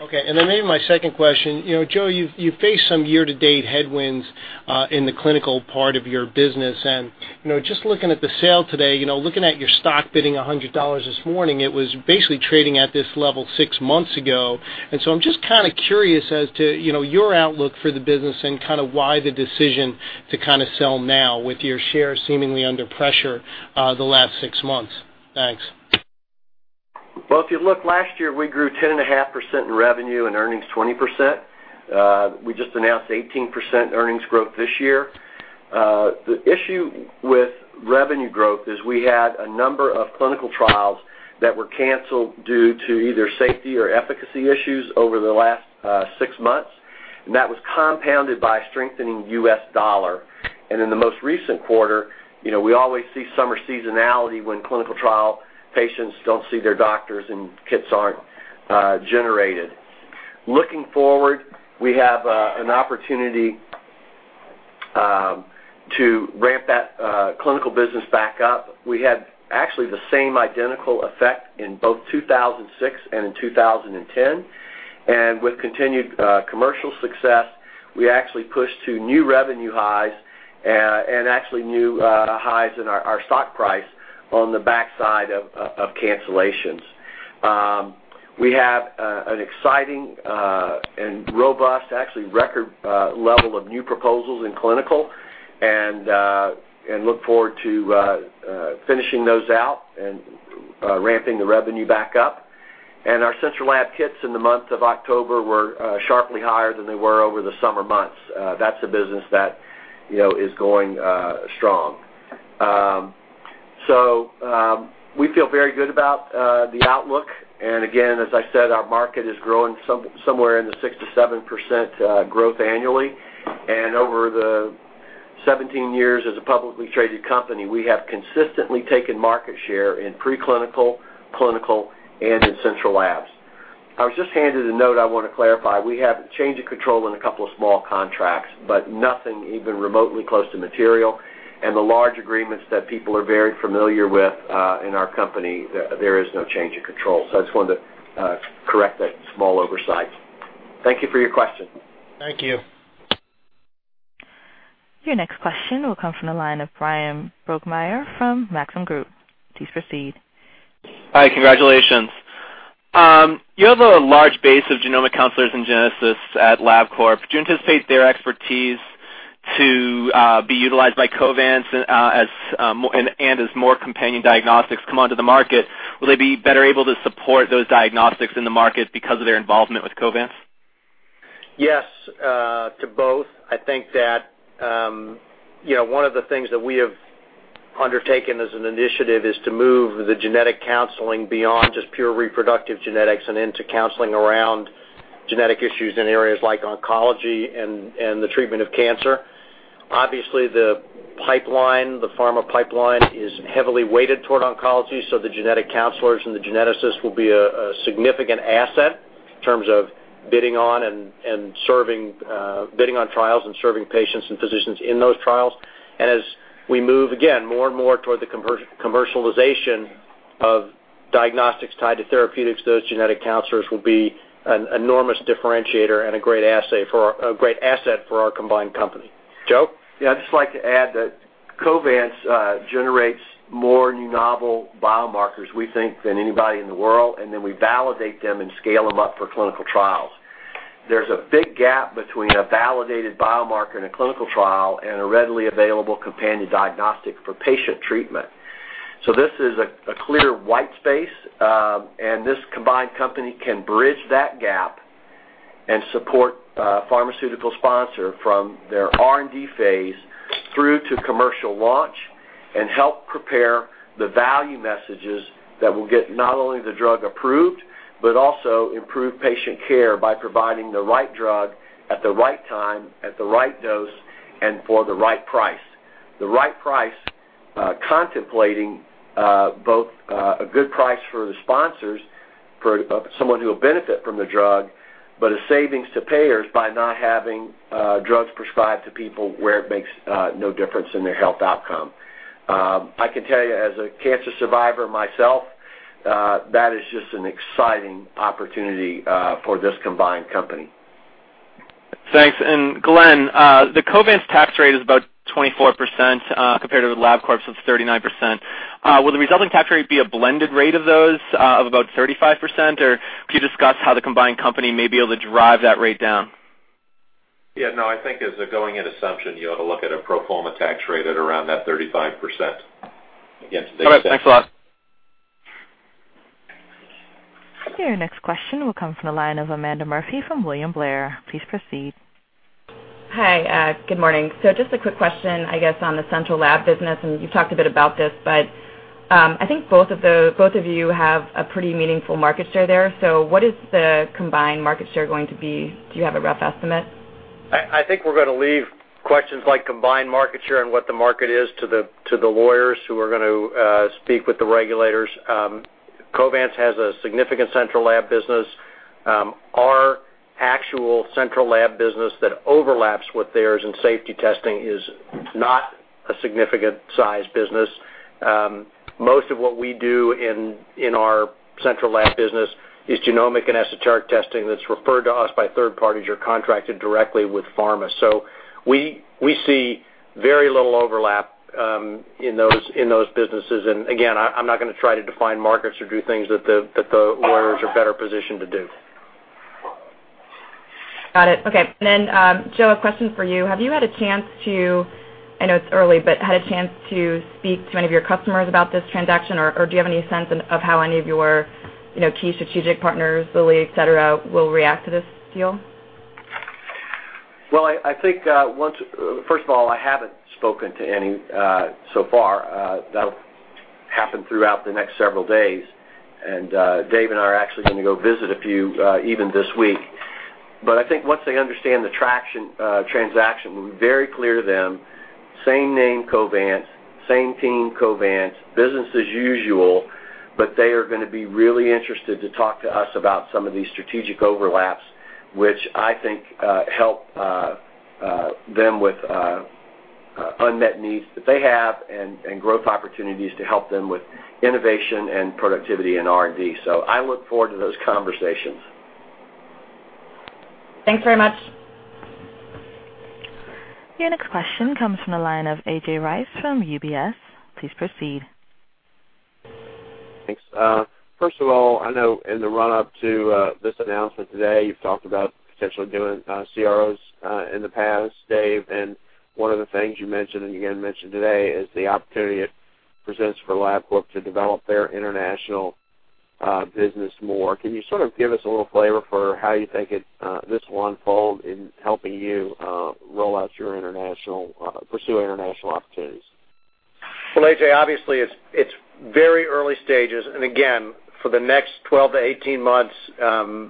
Okay. Maybe my second question. Joe, you've faced some year-to-date headwinds in the clinical part of your business. Just looking at the sale today, looking at your stock bidding $100 this morning, it was basically trading at this level six months ago. I'm just kind of curious as to your outlook for the business and kind of why the decision to kind of sell now with your shares seemingly under pressure the last six months. Thanks. If you look last year, we grew 10.5% in revenue and earnings 20%. We just announced 18% earnings growth this year. The issue with revenue growth is we had a number of clinical trials that were canceled due to either safety or efficacy issues over the last six months. That was compounded by strengthening US dollar. In the most recent quarter, we always see summer seasonality when clinical trial patients do not see their doctors and kits are not generated. Looking forward, we have an opportunity to ramp that clinical business back up. We had actually the same identical effect in both 2006 and in 2010. With continued commercial success, we actually pushed to new revenue highs and actually new highs in our stock price on the backside of cancellations. We have an exciting and robust, actually record level of new proposals in clinical and look forward to finishing those out and ramping the revenue back up. Our central lab kits in the month of October were sharply higher than they were over the summer months. That is a business that is going strong. We feel very good about the outlook. Again, as I said, our market is growing somewhere in the 6-7% growth annually. Over the 17 years as a publicly traded company, we have consistently taken market share in preclinical, clinical, and in central labs. I was just handed a note I want to clarify. We have change of control in a couple of small contracts, but nothing even remotely close to material. The large agreements that people are very familiar with in our company, there is no change of control. I just wanted to correct that small oversight. Thank you for your question. Thank you. Your next question will come from the line of Bryan Brokmeier from Maxim Group. Please proceed. Hi. Congratulations. You have a large base of genomic counselors and geneticists at Labcorp. Do you anticipate their expertise to be utilized by Covance and as more companion diagnostics come onto the market? Will they be better able to support those diagnostics in the market because of their involvement with Covance? Yes, to both. I think that one of the things that we have undertaken as an initiative is to move the genetic counseling beyond just pure reproductive genetics and into counseling around genetic issues in areas like oncology and the treatment of cancer. Obviously, the pharma pipeline is heavily weighted toward oncology, so the genetic counselors and the geneticists will be a significant asset in terms of bidding on trials and serving patients and physicians in those trials. As we move, again, more and more toward the commercialization of diagnostics tied to therapeutics, those genetic counselors will be an enormous differentiator and a great asset for our combined company. Joe? Yeah. I'd just like to add that Covance generates more new novel biomarkers, we think, than anybody in the world, and then we validate them and scale them up for clinical trials. There's a big gap between a validated biomarker in a clinical trial and a readily available companion diagnostic for patient treatment. This is a clear white space, and this combined company can bridge that gap and support pharmaceutical sponsor from their R&D phase through to commercial launch and help prepare the value messages that will get not only the drug approved but also improve patient care by providing the right drug at the right time, at the right dose, and for the right price. The right price contemplating both a good price for the sponsors for someone who will benefit from the drug, but a savings to payers by not having drugs prescribed to people where it makes no difference in their health outcome. I can tell you, as a cancer survivor myself, that is just an exciting opportunity for this combined company. Thanks. Glenn, the Covance tax rate is about 24% compared to Labcorp's of 39%. Will the resulting tax rate be a blended rate of those of about 35%, or can you discuss how the combined company may be able to drive that rate down? Yeah. No, I think as a going-it assumption, you ought to look at a pro forma tax rate at around that 35% against the basis. All right. Thanks a lot. Your next question will come from the line of Amanda Murphy from William Blair. Please proceed. Hi. Good morning. Just a quick question, I guess, on the central lab business. You have talked a bit about this, but I think both of you have a pretty meaningful market share there. What is the combined market share going to be? Do you have a rough estimate? I think we're going to leave questions like combined market share and what the market is to the lawyers who are going to speak with the regulators. Covance has a significant central lab business. Our actual central lab business that overlaps with theirs in safety testing is not a significant-sized business. Most of what we do in our central lab business is genomic and SHR testing that's referred to us by third parties or contracted directly with pharma. We see very little overlap in those businesses. Again, I'm not going to try to define markets or do things that the lawyers are better positioned to do. Got it. Okay. Joe, a question for you. Have you had a chance to—I know it's early—but had a chance to speak to any of your customers about this transaction, or do you have any sense of how any of your key strategic partners, Lilly, etc., will react to this deal? I think, first of all, I haven't spoken to any so far. That'll happen throughout the next several days. Dave and I are actually going to go visit a few even this week. I think once they understand the transaction, we'll be very clear to them: same name, Covance; same team, Covance; business as usual. They are going to be really interested to talk to us about some of these strategic overlaps, which I think help them with unmet needs that they have and growth opportunities to help them with innovation and productivity and R&D. I look forward to those conversations. Thanks very much. Your next question comes from the line of AJ Rice from UBS. Please proceed. Thanks. First of all, I know in the run-up to this announcement today, you've talked about potentially doing CROs in the past, Dave. One of the things you mentioned, and you again mentioned today, is the opportunity it presents for Labcorp to develop their international business more. Can you sort of give us a little flavor for how you think this will unfold in helping you pursue international opportunities? AJ, obviously, it's very early stages. Again, for the next 12 to 18 months, while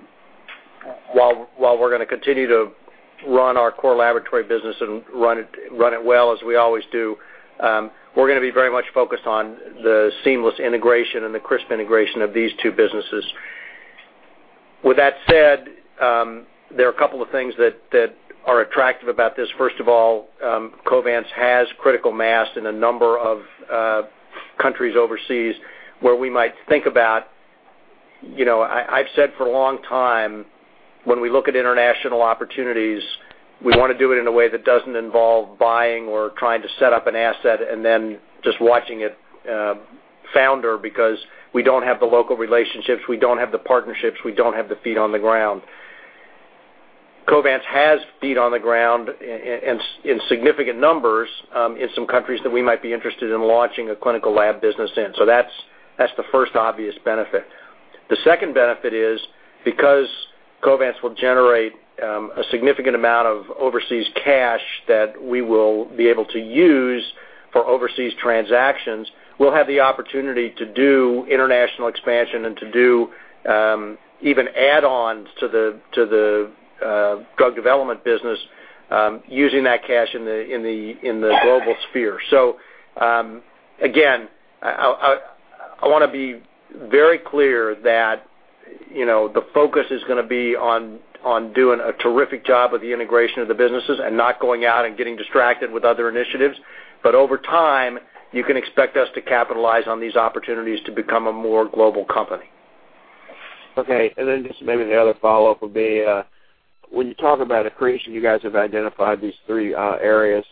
we're going to continue to run our core laboratory business and run it well as we always do, we're going to be very much focused on the seamless integration and the crisp integration of these two businesses. With that said, there are a couple of things that are attractive about this. First of all, Covance has critical mass in a number of countries overseas where we might think about—I have said for a long time, when we look at international opportunities, we want to do it in a way that doesn't involve buying or trying to set up an asset and then just watching it flounder because we don't have the local relationships, we don't have the partnerships, we don't have the feet on the ground. Covance has feet on the ground in significant numbers in some countries that we might be interested in launching a clinical lab business in. That is the first obvious benefit. The second benefit is because Covance will generate a significant amount of overseas cash that we will be able to use for overseas transactions, we will have the opportunity to do international expansion and to do even add-ons to the drug development business using that cash in the global sphere. I want to be very clear that the focus is going to be on doing a terrific job with the integration of the businesses and not going out and getting distracted with other initiatives. Over time, you can expect us to capitalize on these opportunities to become a more global company. Okay. Just maybe the other follow-up would be, when you talk about accretion, you guys have identified these three areas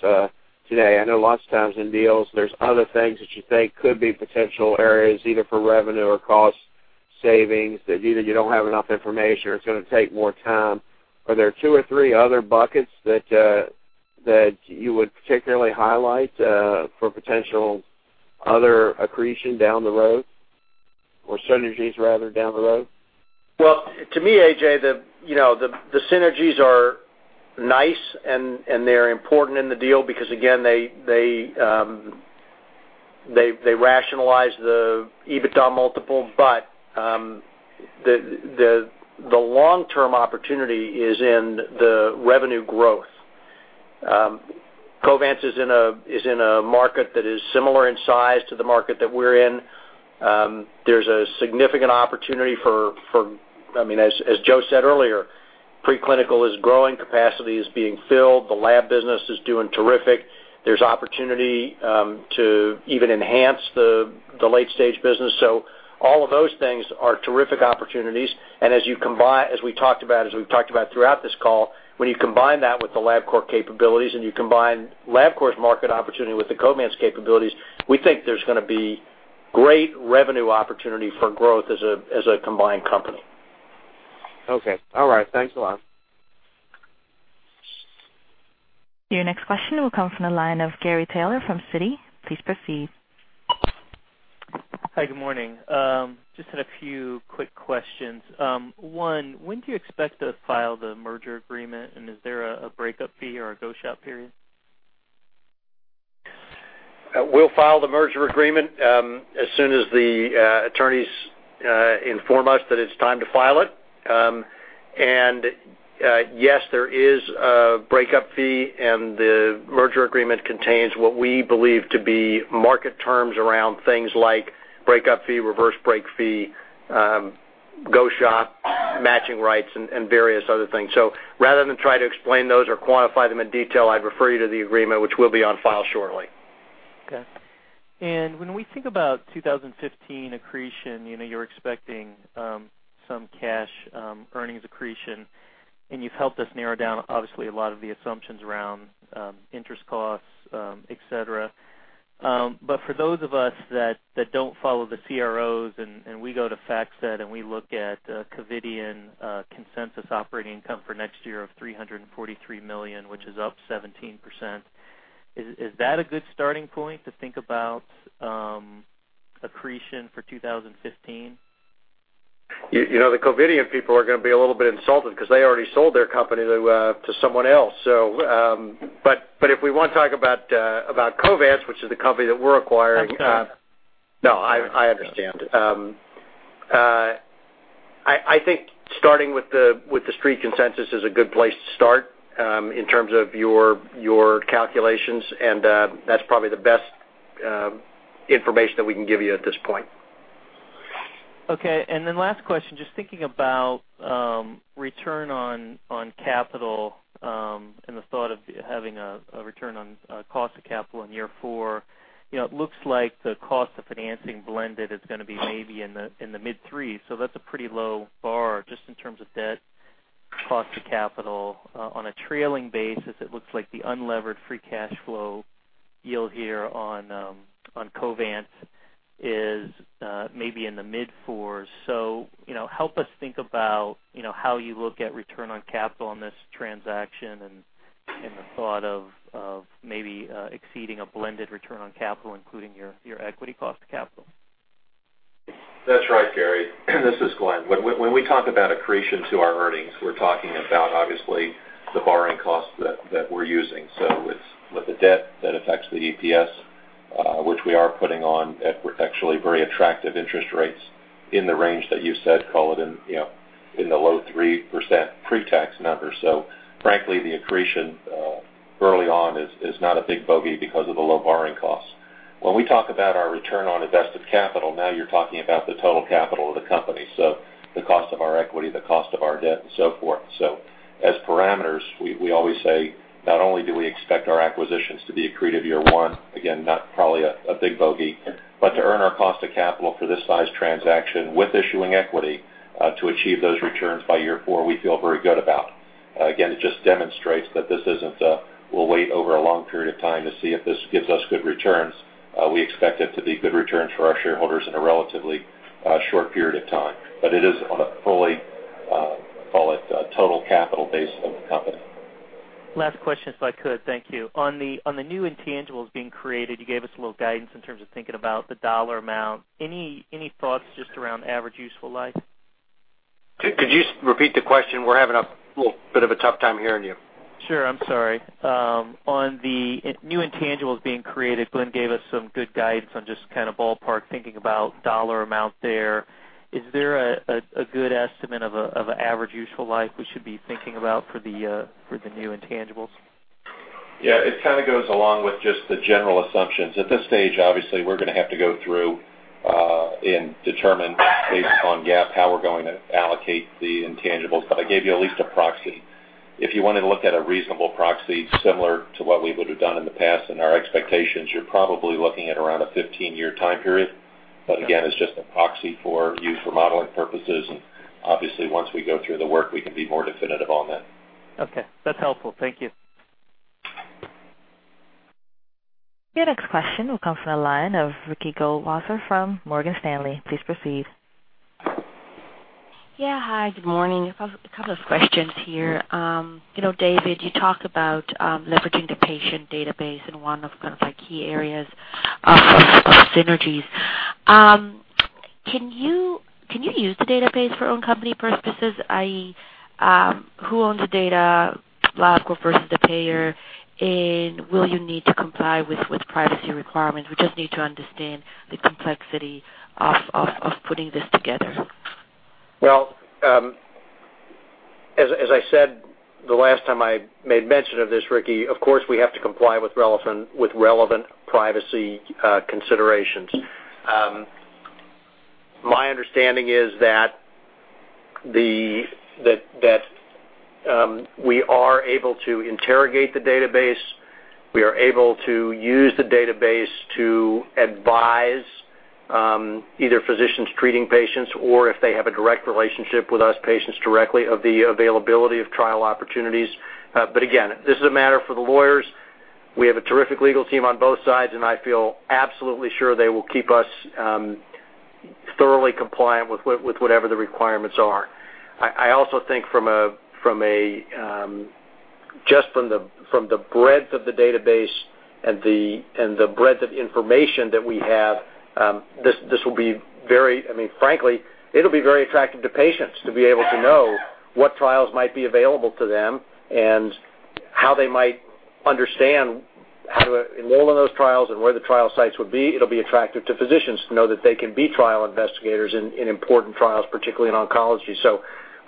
today. I know lots of times in deals, there are other things that you think could be potential areas either for revenue or cost savings that either you do not have enough information or it is going to take more time. Are there two or three other buckets that you would particularly highlight for potential other accretion down the road or synergies, rather, down the road? To me, AJ, the synergies are nice and they're important in the deal because, again, they rationalize the EBITDA multiple. The long-term opportunity is in the revenue growth. Covance is in a market that is similar in size to the market that we're in. There's a significant opportunity for, I mean, as Joe said earlier, preclinical is growing, capacity is being filled, the lab business is doing terrific, there's opportunity to even enhance the late-stage business. All of those things are terrific opportunities. As we talked about, as we've talked about throughout this call, when you combine that with the Labcorp capabilities and you combine Labcorp's market opportunity with the Covance capabilities, we think there's going to be great revenue opportunity for growth as a combined company. Okay. All right. Thanks a lot. Your next question will come from the line of Gary Taylor from Citi. Please proceed. Hi. Good morning. Just had a few quick questions. One, when do you expect to file the merger agreement, and is there a breakup fee or a go shop period? We'll file the merger agreement as soon as the attorneys inform us that it's time to file it. Yes, there is a breakup fee, and the merger agreement contains what we believe to be market terms around things like breakup fee, reverse break fee, go shot, matching rights, and various other things. Rather than try to explain those or quantify them in detail, I'd refer you to the agreement, which will be on file shortly. Okay. When we think about 2015 accretion, you're expecting some cash earnings accretion, and you've helped us narrow down, obviously, a lot of the assumptions around interest costs, etc. For those of us that don't follow the CROs and we go to FactSet and we look at Covance consensus operating income for next year of $343 million, which is up 17%, is that a good starting point to think about accretion for 2015? The Covance people are going to be a little bit insulted because they already sold their company to someone else. If we want to talk about Covance, which is the company that we're acquiring. Okay. No, I understand. I think starting with the street consensus is a good place to start in terms of your calculations, and that's probably the best information that we can give you at this point. Okay. And then last question, just thinking about return on capital and the thought of having a return on cost of capital in year four, it looks like the cost of financing blended is going to be maybe in the mid-threes. That is a pretty low bar just in terms of debt, cost of capital. On a trailing basis, it looks like the unlevered free cash flow yield here on Covance is maybe in the mid-fours. Help us think about how you look at return on capital on this transaction and the thought of maybe exceeding a blended return on capital, including your equity cost of capital. That's right, Gary. This is Glenn. When we talk about accretion to our earnings, we're talking about, obviously, the borrowing cost that we're using. It's with the debt that affects the EPS, which we are putting on at actually very attractive interest rates in the range that you said, call it in the low 3% pre-tax numbers. Frankly, the accretion early on is not a big bogey because of the low borrowing costs. When we talk about our return on invested capital, now you're talking about the total capital of the company. The cost of our equity, the cost of our debt, and so forth. As parameters, we always say not only do we expect our acquisitions to be accretive year one, again, not probably a big bogey, but to earn our cost of capital for this size transaction with issuing equity to achieve those returns by year four, we feel very good about. Again, it just demonstrates that this is not a, "We'll wait over a long period of time to see if this gives us good returns." We expect it to be good returns for our shareholders in a relatively short period of time. It is on a fully, call it, total capital base of the company. Last question if I could. Thank you. On the new intangibles being created, you gave us a little guidance in terms of thinking about the dollar amount. Any thoughts just around average useful life? Could you repeat the question? We're having a little bit of a tough time hearing you. Sure. I'm sorry. On the new intangibles being created, Glenn gave us some good guidance on just kind of ballpark thinking about dollar amount there. Is there a good estimate of an average useful life we should be thinking about for the new intangibles? Yeah. It kind of goes along with just the general assumptions. At this stage, obviously, we're going to have to go through and determine, based upon GAAP, how we're going to allocate the intangibles. I gave you at least a proxy. If you wanted to look at a reasonable proxy similar to what we would have done in the past and our expectations, you're probably looking at around a 15-year time period. It is just a proxy for use for modeling purposes. Obviously, once we go through the work, we can be more definitive on that. Okay. That's helpful. Thank you. Your next question will come from the line of Ricky Goldwasser from Morgan Stanley. Please proceed. Yeah. Hi. Good morning. A couple of questions here. David, you talk about leveraging the patient database and one of kind of key areas of synergies. Can you use the database for own company purposes, i.e., who owns the data, Labcorp versus the payer, and will you need to comply with privacy requirements? We just need to understand the complexity of putting this together. As I said the last time I made mention of this, Ricky, of course, we have to comply with relevant privacy considerations. My understanding is that we are able to interrogate the database. We are able to use the database to advise either physicians treating patients or, if they have a direct relationship with us, patients directly, of the availability of trial opportunities. Again, this is a matter for the lawyers. We have a terrific legal team on both sides, and I feel absolutely sure they will keep us thoroughly compliant with whatever the requirements are. I also think from just the breadth of the database and the breadth of information that we have, this will be very—I mean, frankly, it'll be very attractive to patients to be able to know what trials might be available to them and how they might understand how to enroll in those trials and where the trial sites would be. It'll be attractive to physicians to know that they can be trial investigators in important trials, particularly in oncology.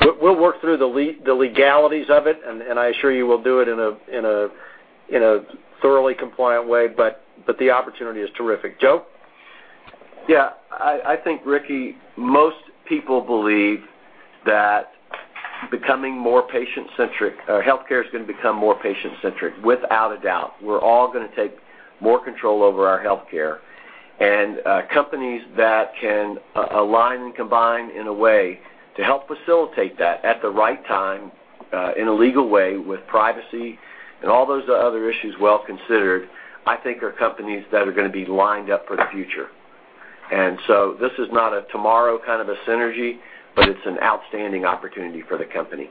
We will work through the legalities of it, and I assure you we will do it in a thoroughly compliant way. The opportunity is terrific. Joe? Yeah. I think, Ricky, most people believe that becoming more patient-centric, healthcare is going to become more patient-centric without a doubt. We're all going to take more control over our healthcare. And companies that can align and combine in a way to help facilitate that at the right time in a legal way with privacy and all those other issues well considered, I think are companies that are going to be lined up for the future. This is not a tomorrow kind of a synergy, but it's an outstanding opportunity for the company.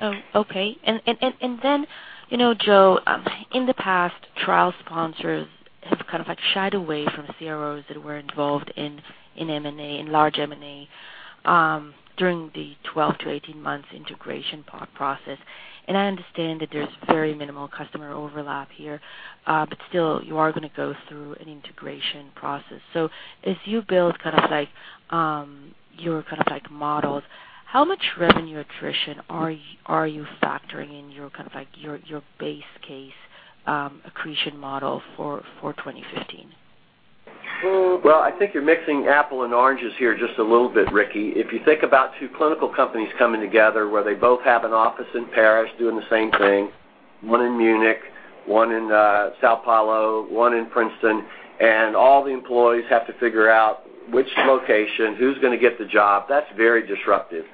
Oh, okay. Joe, in the past, trial sponsors have kind of shied away from CROs that were involved in M&A, in large M&A, during the 12-18 months integration process. I understand that there's very minimal customer overlap here, but still, you are going to go through an integration process. As you build kind of your models, how much revenue accretion are you factoring in your base case accretion model for 2015? I think you're mixing apples and oranges here just a little bit, Ricky. If you think about two clinical companies coming together where they both have an office in Paris doing the same thing, one in Munich, one in São Paulo, one in Princeton, and all the employees have to figure out which location, who's going to get the job, that's very disruptive.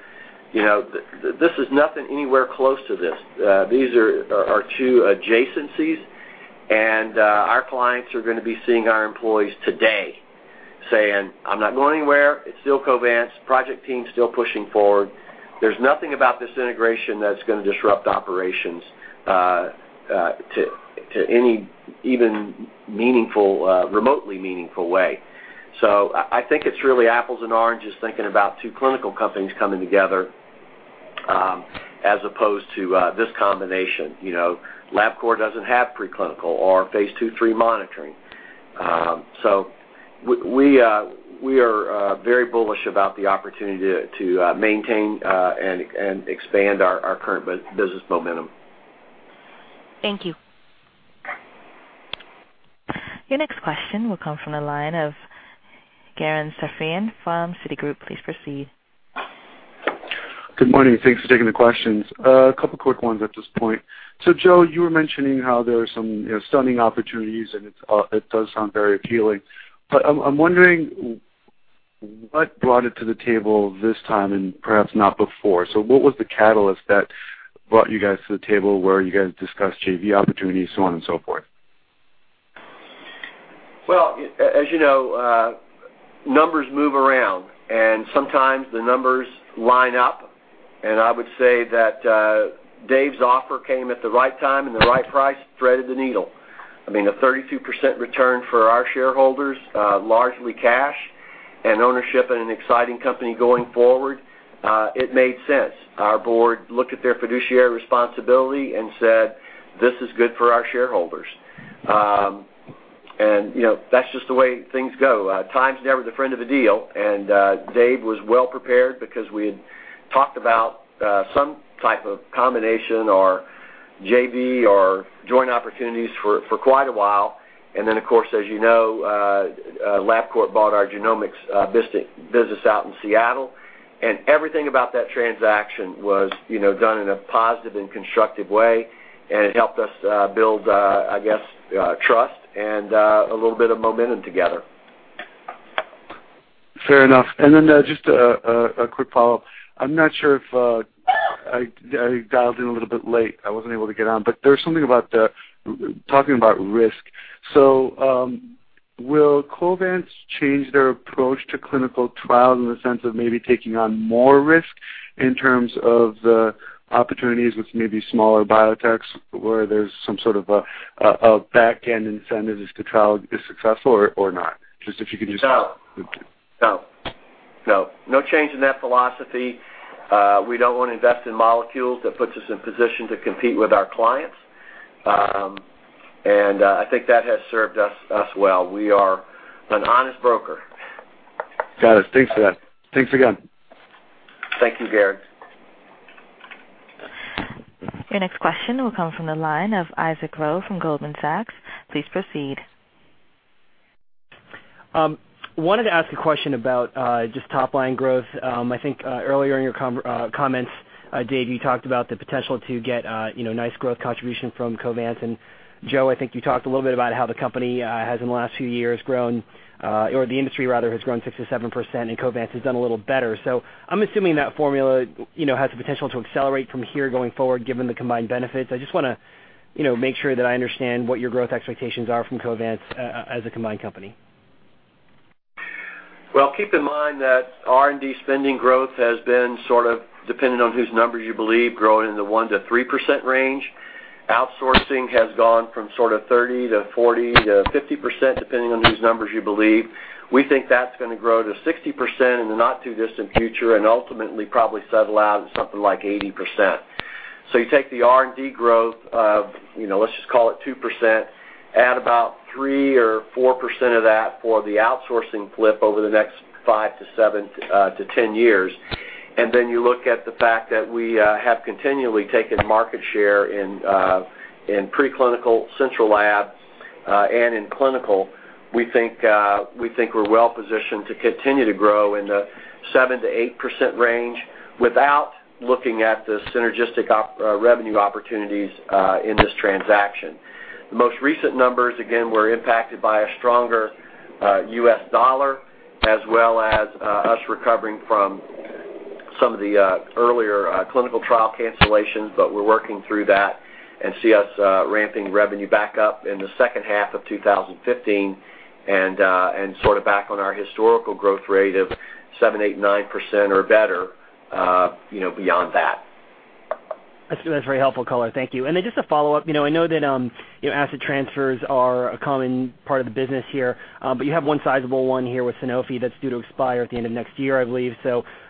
This is nothing anywhere close to this. These are two adjacencies, and our clients are going to be seeing our employees today saying, "I'm not going anywhere. It's still Covance. Project team's still pushing forward." There's nothing about this integration that's going to disrupt operations to any even remotely meaningful way. I think it's really apples and oranges thinking about two clinical companies coming together as opposed to this combination. Labcorp doesn't have preclinical or phase two, three monitoring. We are very bullish about the opportunity to maintain and expand our current business momentum. Thank you. Your next question will come from the line of Garen Sarafian from Citigroup. Please proceed. Good morning. Thanks for taking the questions. A couple of quick ones at this point. Joe, you were mentioning how there are some stunning opportunities, and it does sound very appealing. I'm wondering what brought it to the table this time and perhaps not before. What was the catalyst that brought you guys to the table where you guys discussed JV opportunities, so on and so forth? As you know, numbers move around, and sometimes the numbers line up. I would say that Dave's offer came at the right time and the right price, threaded the needle. I mean, a 32% return for our shareholders, largely cash and ownership in an exciting company going forward, it made sense. Our board looked at their fiduciary responsibility and said, "This is good for our shareholders." That's just the way things go. Time is never the friend of a deal. Dave was well prepared because we had talked about some type of combination or JV or joint opportunities for quite a while. Of course, as you know, Labcorp bought our genomics business out in Seattle. Everything about that transaction was done in a positive and constructive way, and it helped us build, I guess, trust and a little bit of momentum together. Fair enough. Then just a quick follow-up. I'm not sure if I dialed in a little bit late. I wasn't able to get on. There was something about talking about risk. Will Covance change their approach to clinical trials in the sense of maybe taking on more risk in terms of the opportunities with maybe smaller biotechs where there's some sort of a backend incentive if the trial is successful or not? Just if you can just. No. No. No. No change in that philosophy. We do not want to invest in molecules that puts us in position to compete with our clients. I think that has served us well. We are an honest broker. Got it. Thanks for that. Thanks again. Thank you, Gary. Your next question will come from the line of Isaac Rowe from Goldman Sachs. Please proceed. Wanted to ask a question about just top-line growth. I think earlier in your comments, Dave, you talked about the potential to get nice growth contribution from Covance. And Joe, I think you talked a little bit about how the company has in the last few years grown or the industry, rather, has grown 6-7%, and Covance has done a little better. So I'm assuming that formula has the potential to accelerate from here going forward given the combined benefits. I just want to make sure that I understand what your growth expectations are from Covance as a combined company. Keep in mind that R&D spending growth has been sort of, depending on whose numbers you believe, growing in the 1-3% range. Outsourcing has gone from sort of 30-40-50%, depending on whose numbers you believe. We think that's going to grow to 60% in the not-too-distant future and ultimately probably settle out at something like 80%. You take the R&D growth of, let's just call it 2%, add about 3-4% of that for the outsourcing flip over the next 5-7-10 years. Then you look at the fact that we have continually taken market share in preclinical, central lab, and in clinical. We think we're well positioned to continue to grow in the 7-8% range without looking at the synergistic revenue opportunities in this transaction. The most recent numbers, again, were impacted by a stronger US dollar as well as us recovering from some of the earlier clinical trial cancellations, but we're working through that and see us ramping revenue back up in the second half of 2015 and sort of back on our historical growth rate of 7-9% or better beyond that. That's very helpful, Coller. Thank you. And then just a follow-up. I know that asset transfers are a common part of the business here, but you have one sizable one here with Sanofi that's due to expire at the end of next year, I believe.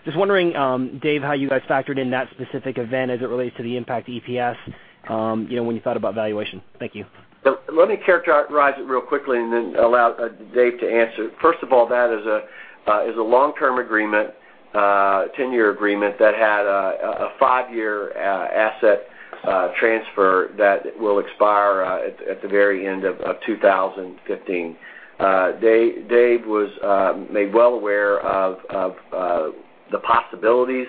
Just wondering, Dave, how you guys factored in that specific event as it relates to the impact EPS when you thought about valuation. Thank you. Let me characterize it real quickly and then allow Dave to answer. First of all, that is a long-term agreement, 10-year agreement that had a five-year asset transfer that will expire at the very end of 2015. Dave was made well aware of the possibilities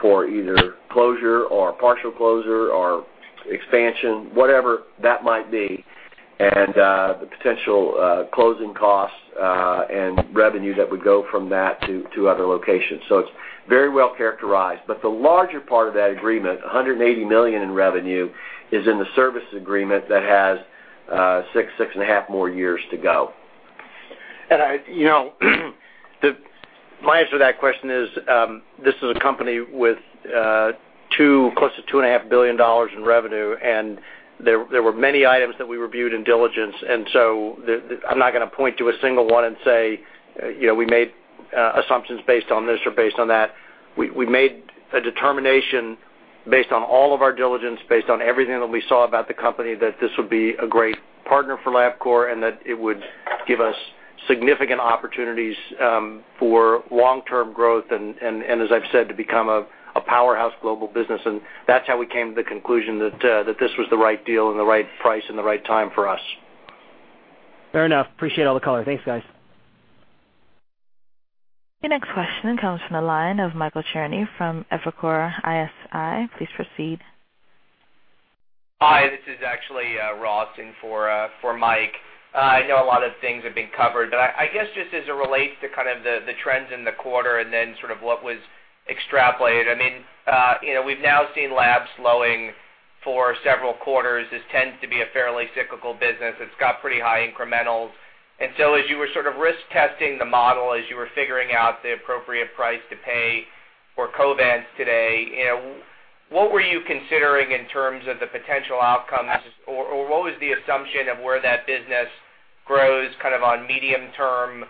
for either closure or partial closure or expansion, whatever that might be, and the potential closing costs and revenue that would go from that to other locations. It is very well characterized. The larger part of that agreement, $180 million in revenue, is in the service agreement that has six, six and a half more years to go. My answer to that question is this is a company with close to $2.5 billion in revenue, and there were many items that we reviewed in diligence. I'm not going to point to a single one and say we made assumptions based on this or based on that. We made a determination based on all of our diligence, based on everything that we saw about the company, that this would be a great partner for Labcorp and that it would give us significant opportunities for long-term growth and, as I've said, to become a powerhouse global business. That's how we came to the conclusion that this was the right deal and the right price and the right time for us. Fair enough. Appreciate all the callers. Thanks, guys. Your next question comes from the line of Michael Cerny from Evercore ISI. Please proceed. Hi. This is actually Ross in for Mike. I know a lot of things have been covered, but I guess just as it relates to kind of the trends in the quarter and then sort of what was extrapolated. I mean, we've now seen labs slowing for several quarters. This tends to be a fairly cyclical business. It's got pretty high incrementals. As you were sort of risk testing the model, as you were figuring out the appropriate price to pay for Covance today, what were you considering in terms of the potential outcomes, or what was the assumption of where that business grows kind of on medium term?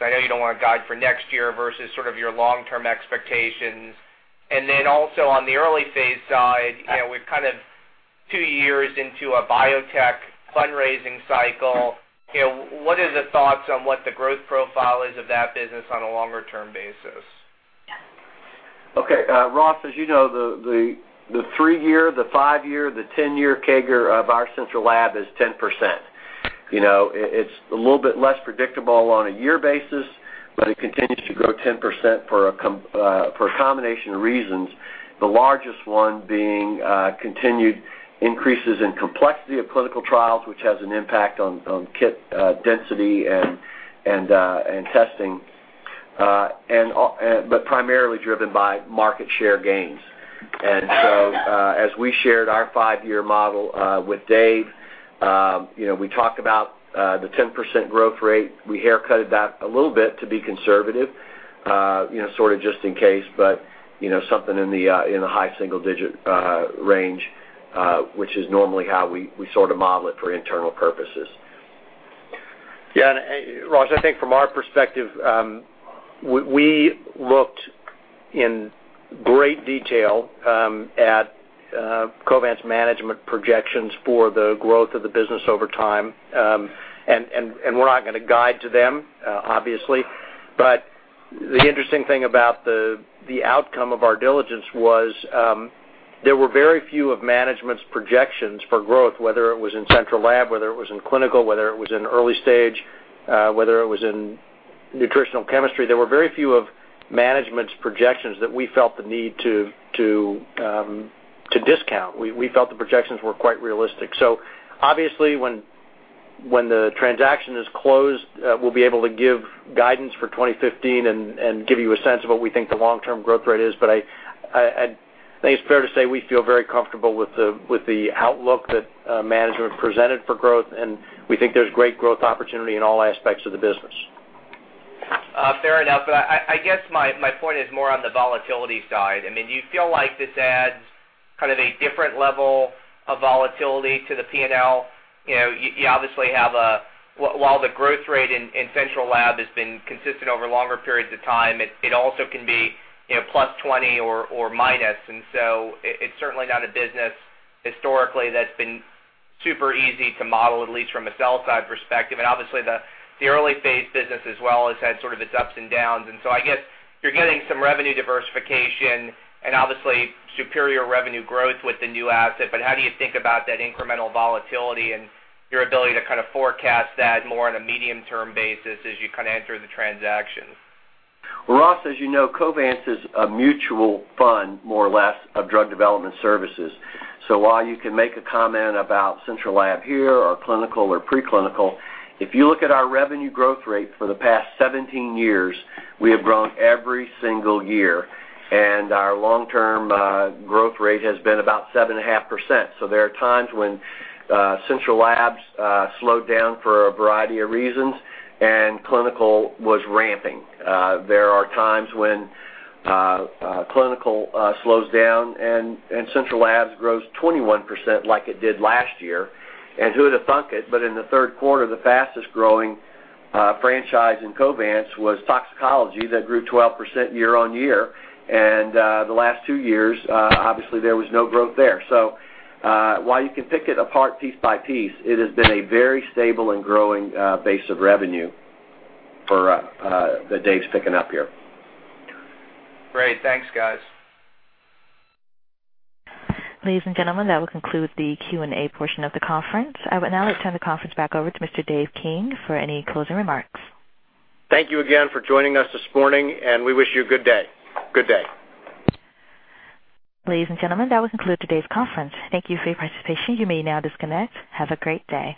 I know you don't want to guide for next year versus sort of your long-term expectations. Also on the early phase side, we're kind of two years into a biotech fundraising cycle. What are the thoughts on what the growth profile is of that business on a longer-term basis? Okay. Ross, as you know, the three-year, the five-year, the 10-year CAGR of our central lab is 10%. It's a little bit less predictable on a year basis, but it continues to grow 10% for a combination of reasons, the largest one being continued increases in complexity of clinical trials, which has an impact on kit density and testing, but primarily driven by market share gains. As we shared our five-year model with Dave, we talked about the 10% growth rate. We haircut it back a little bit to be conservative, sort of just in case, but something in the high single-digit range, which is normally how we sort of model it for internal purposes. Yeah. Ross, I think from our perspective, we looked in great detail at Covance's management projections for the growth of the business over time. We're not going to guide to them, obviously. The interesting thing about the outcome of our diligence was there were very few of management's projections for growth, whether it was in central lab, whether it was in clinical, whether it was in early stage, whether it was in nutritional chemistry. There were very few of management's projections that we felt the need to discount. We felt the projections were quite realistic. Obviously, when the transaction is closed, we'll be able to give guidance for 2015 and give you a sense of what we think the long-term growth rate is. I think it's fair to say we feel very comfortable with the outlook that management presented for growth, and we think there's great growth opportunity in all aspects of the business. Fair enough. I guess my point is more on the volatility side. I mean, do you feel like this adds kind of a different level of volatility to the P&L? You obviously have, while the growth rate in central lab has been consistent over longer periods of time, it also can be plus 20% or minus. It is certainly not a business historically that's been super easy to model, at least from a sell-side perspective. Obviously, the early phase business as well has had sort of its ups and downs. I guess you're getting some revenue diversification and obviously superior revenue growth with the new asset. How do you think about that incremental volatility and your ability to kind of forecast that more on a medium-term basis as you kind of enter the transaction? Ross, as you know, Covance is a mutual fund, more or less, of drug development services. So while you can make a comment about central lab here or clinical or preclinical, if you look at our revenue growth rate for the past 17 years, we have grown every single year. And our long-term growth rate has been about 7.5%. There are times when central labs slowed down for a variety of reasons, and clinical was ramping. There are times when clinical slows down, and central labs grows 21% like it did last year. And who would have thunk it, but in the third quarter, the fastest-growing franchise in Covance was toxicology that grew 12% year on year. And the last two years, obviously, there was no growth there. While you can pick it apart piece by piece, it has been a very stable and growing base of revenue for the Dave's picking up here. Great. Thanks, guys. Ladies and gentlemen, that will conclude the Q&A portion of the conference. I will now turn the conference back over to Mr. Dave King for any closing remarks. Thank you again for joining us this morning, and we wish you a good day. Good day. Ladies and gentlemen, that will conclude today's conference. Thank you for your participation. You may now disconnect. Have a great day.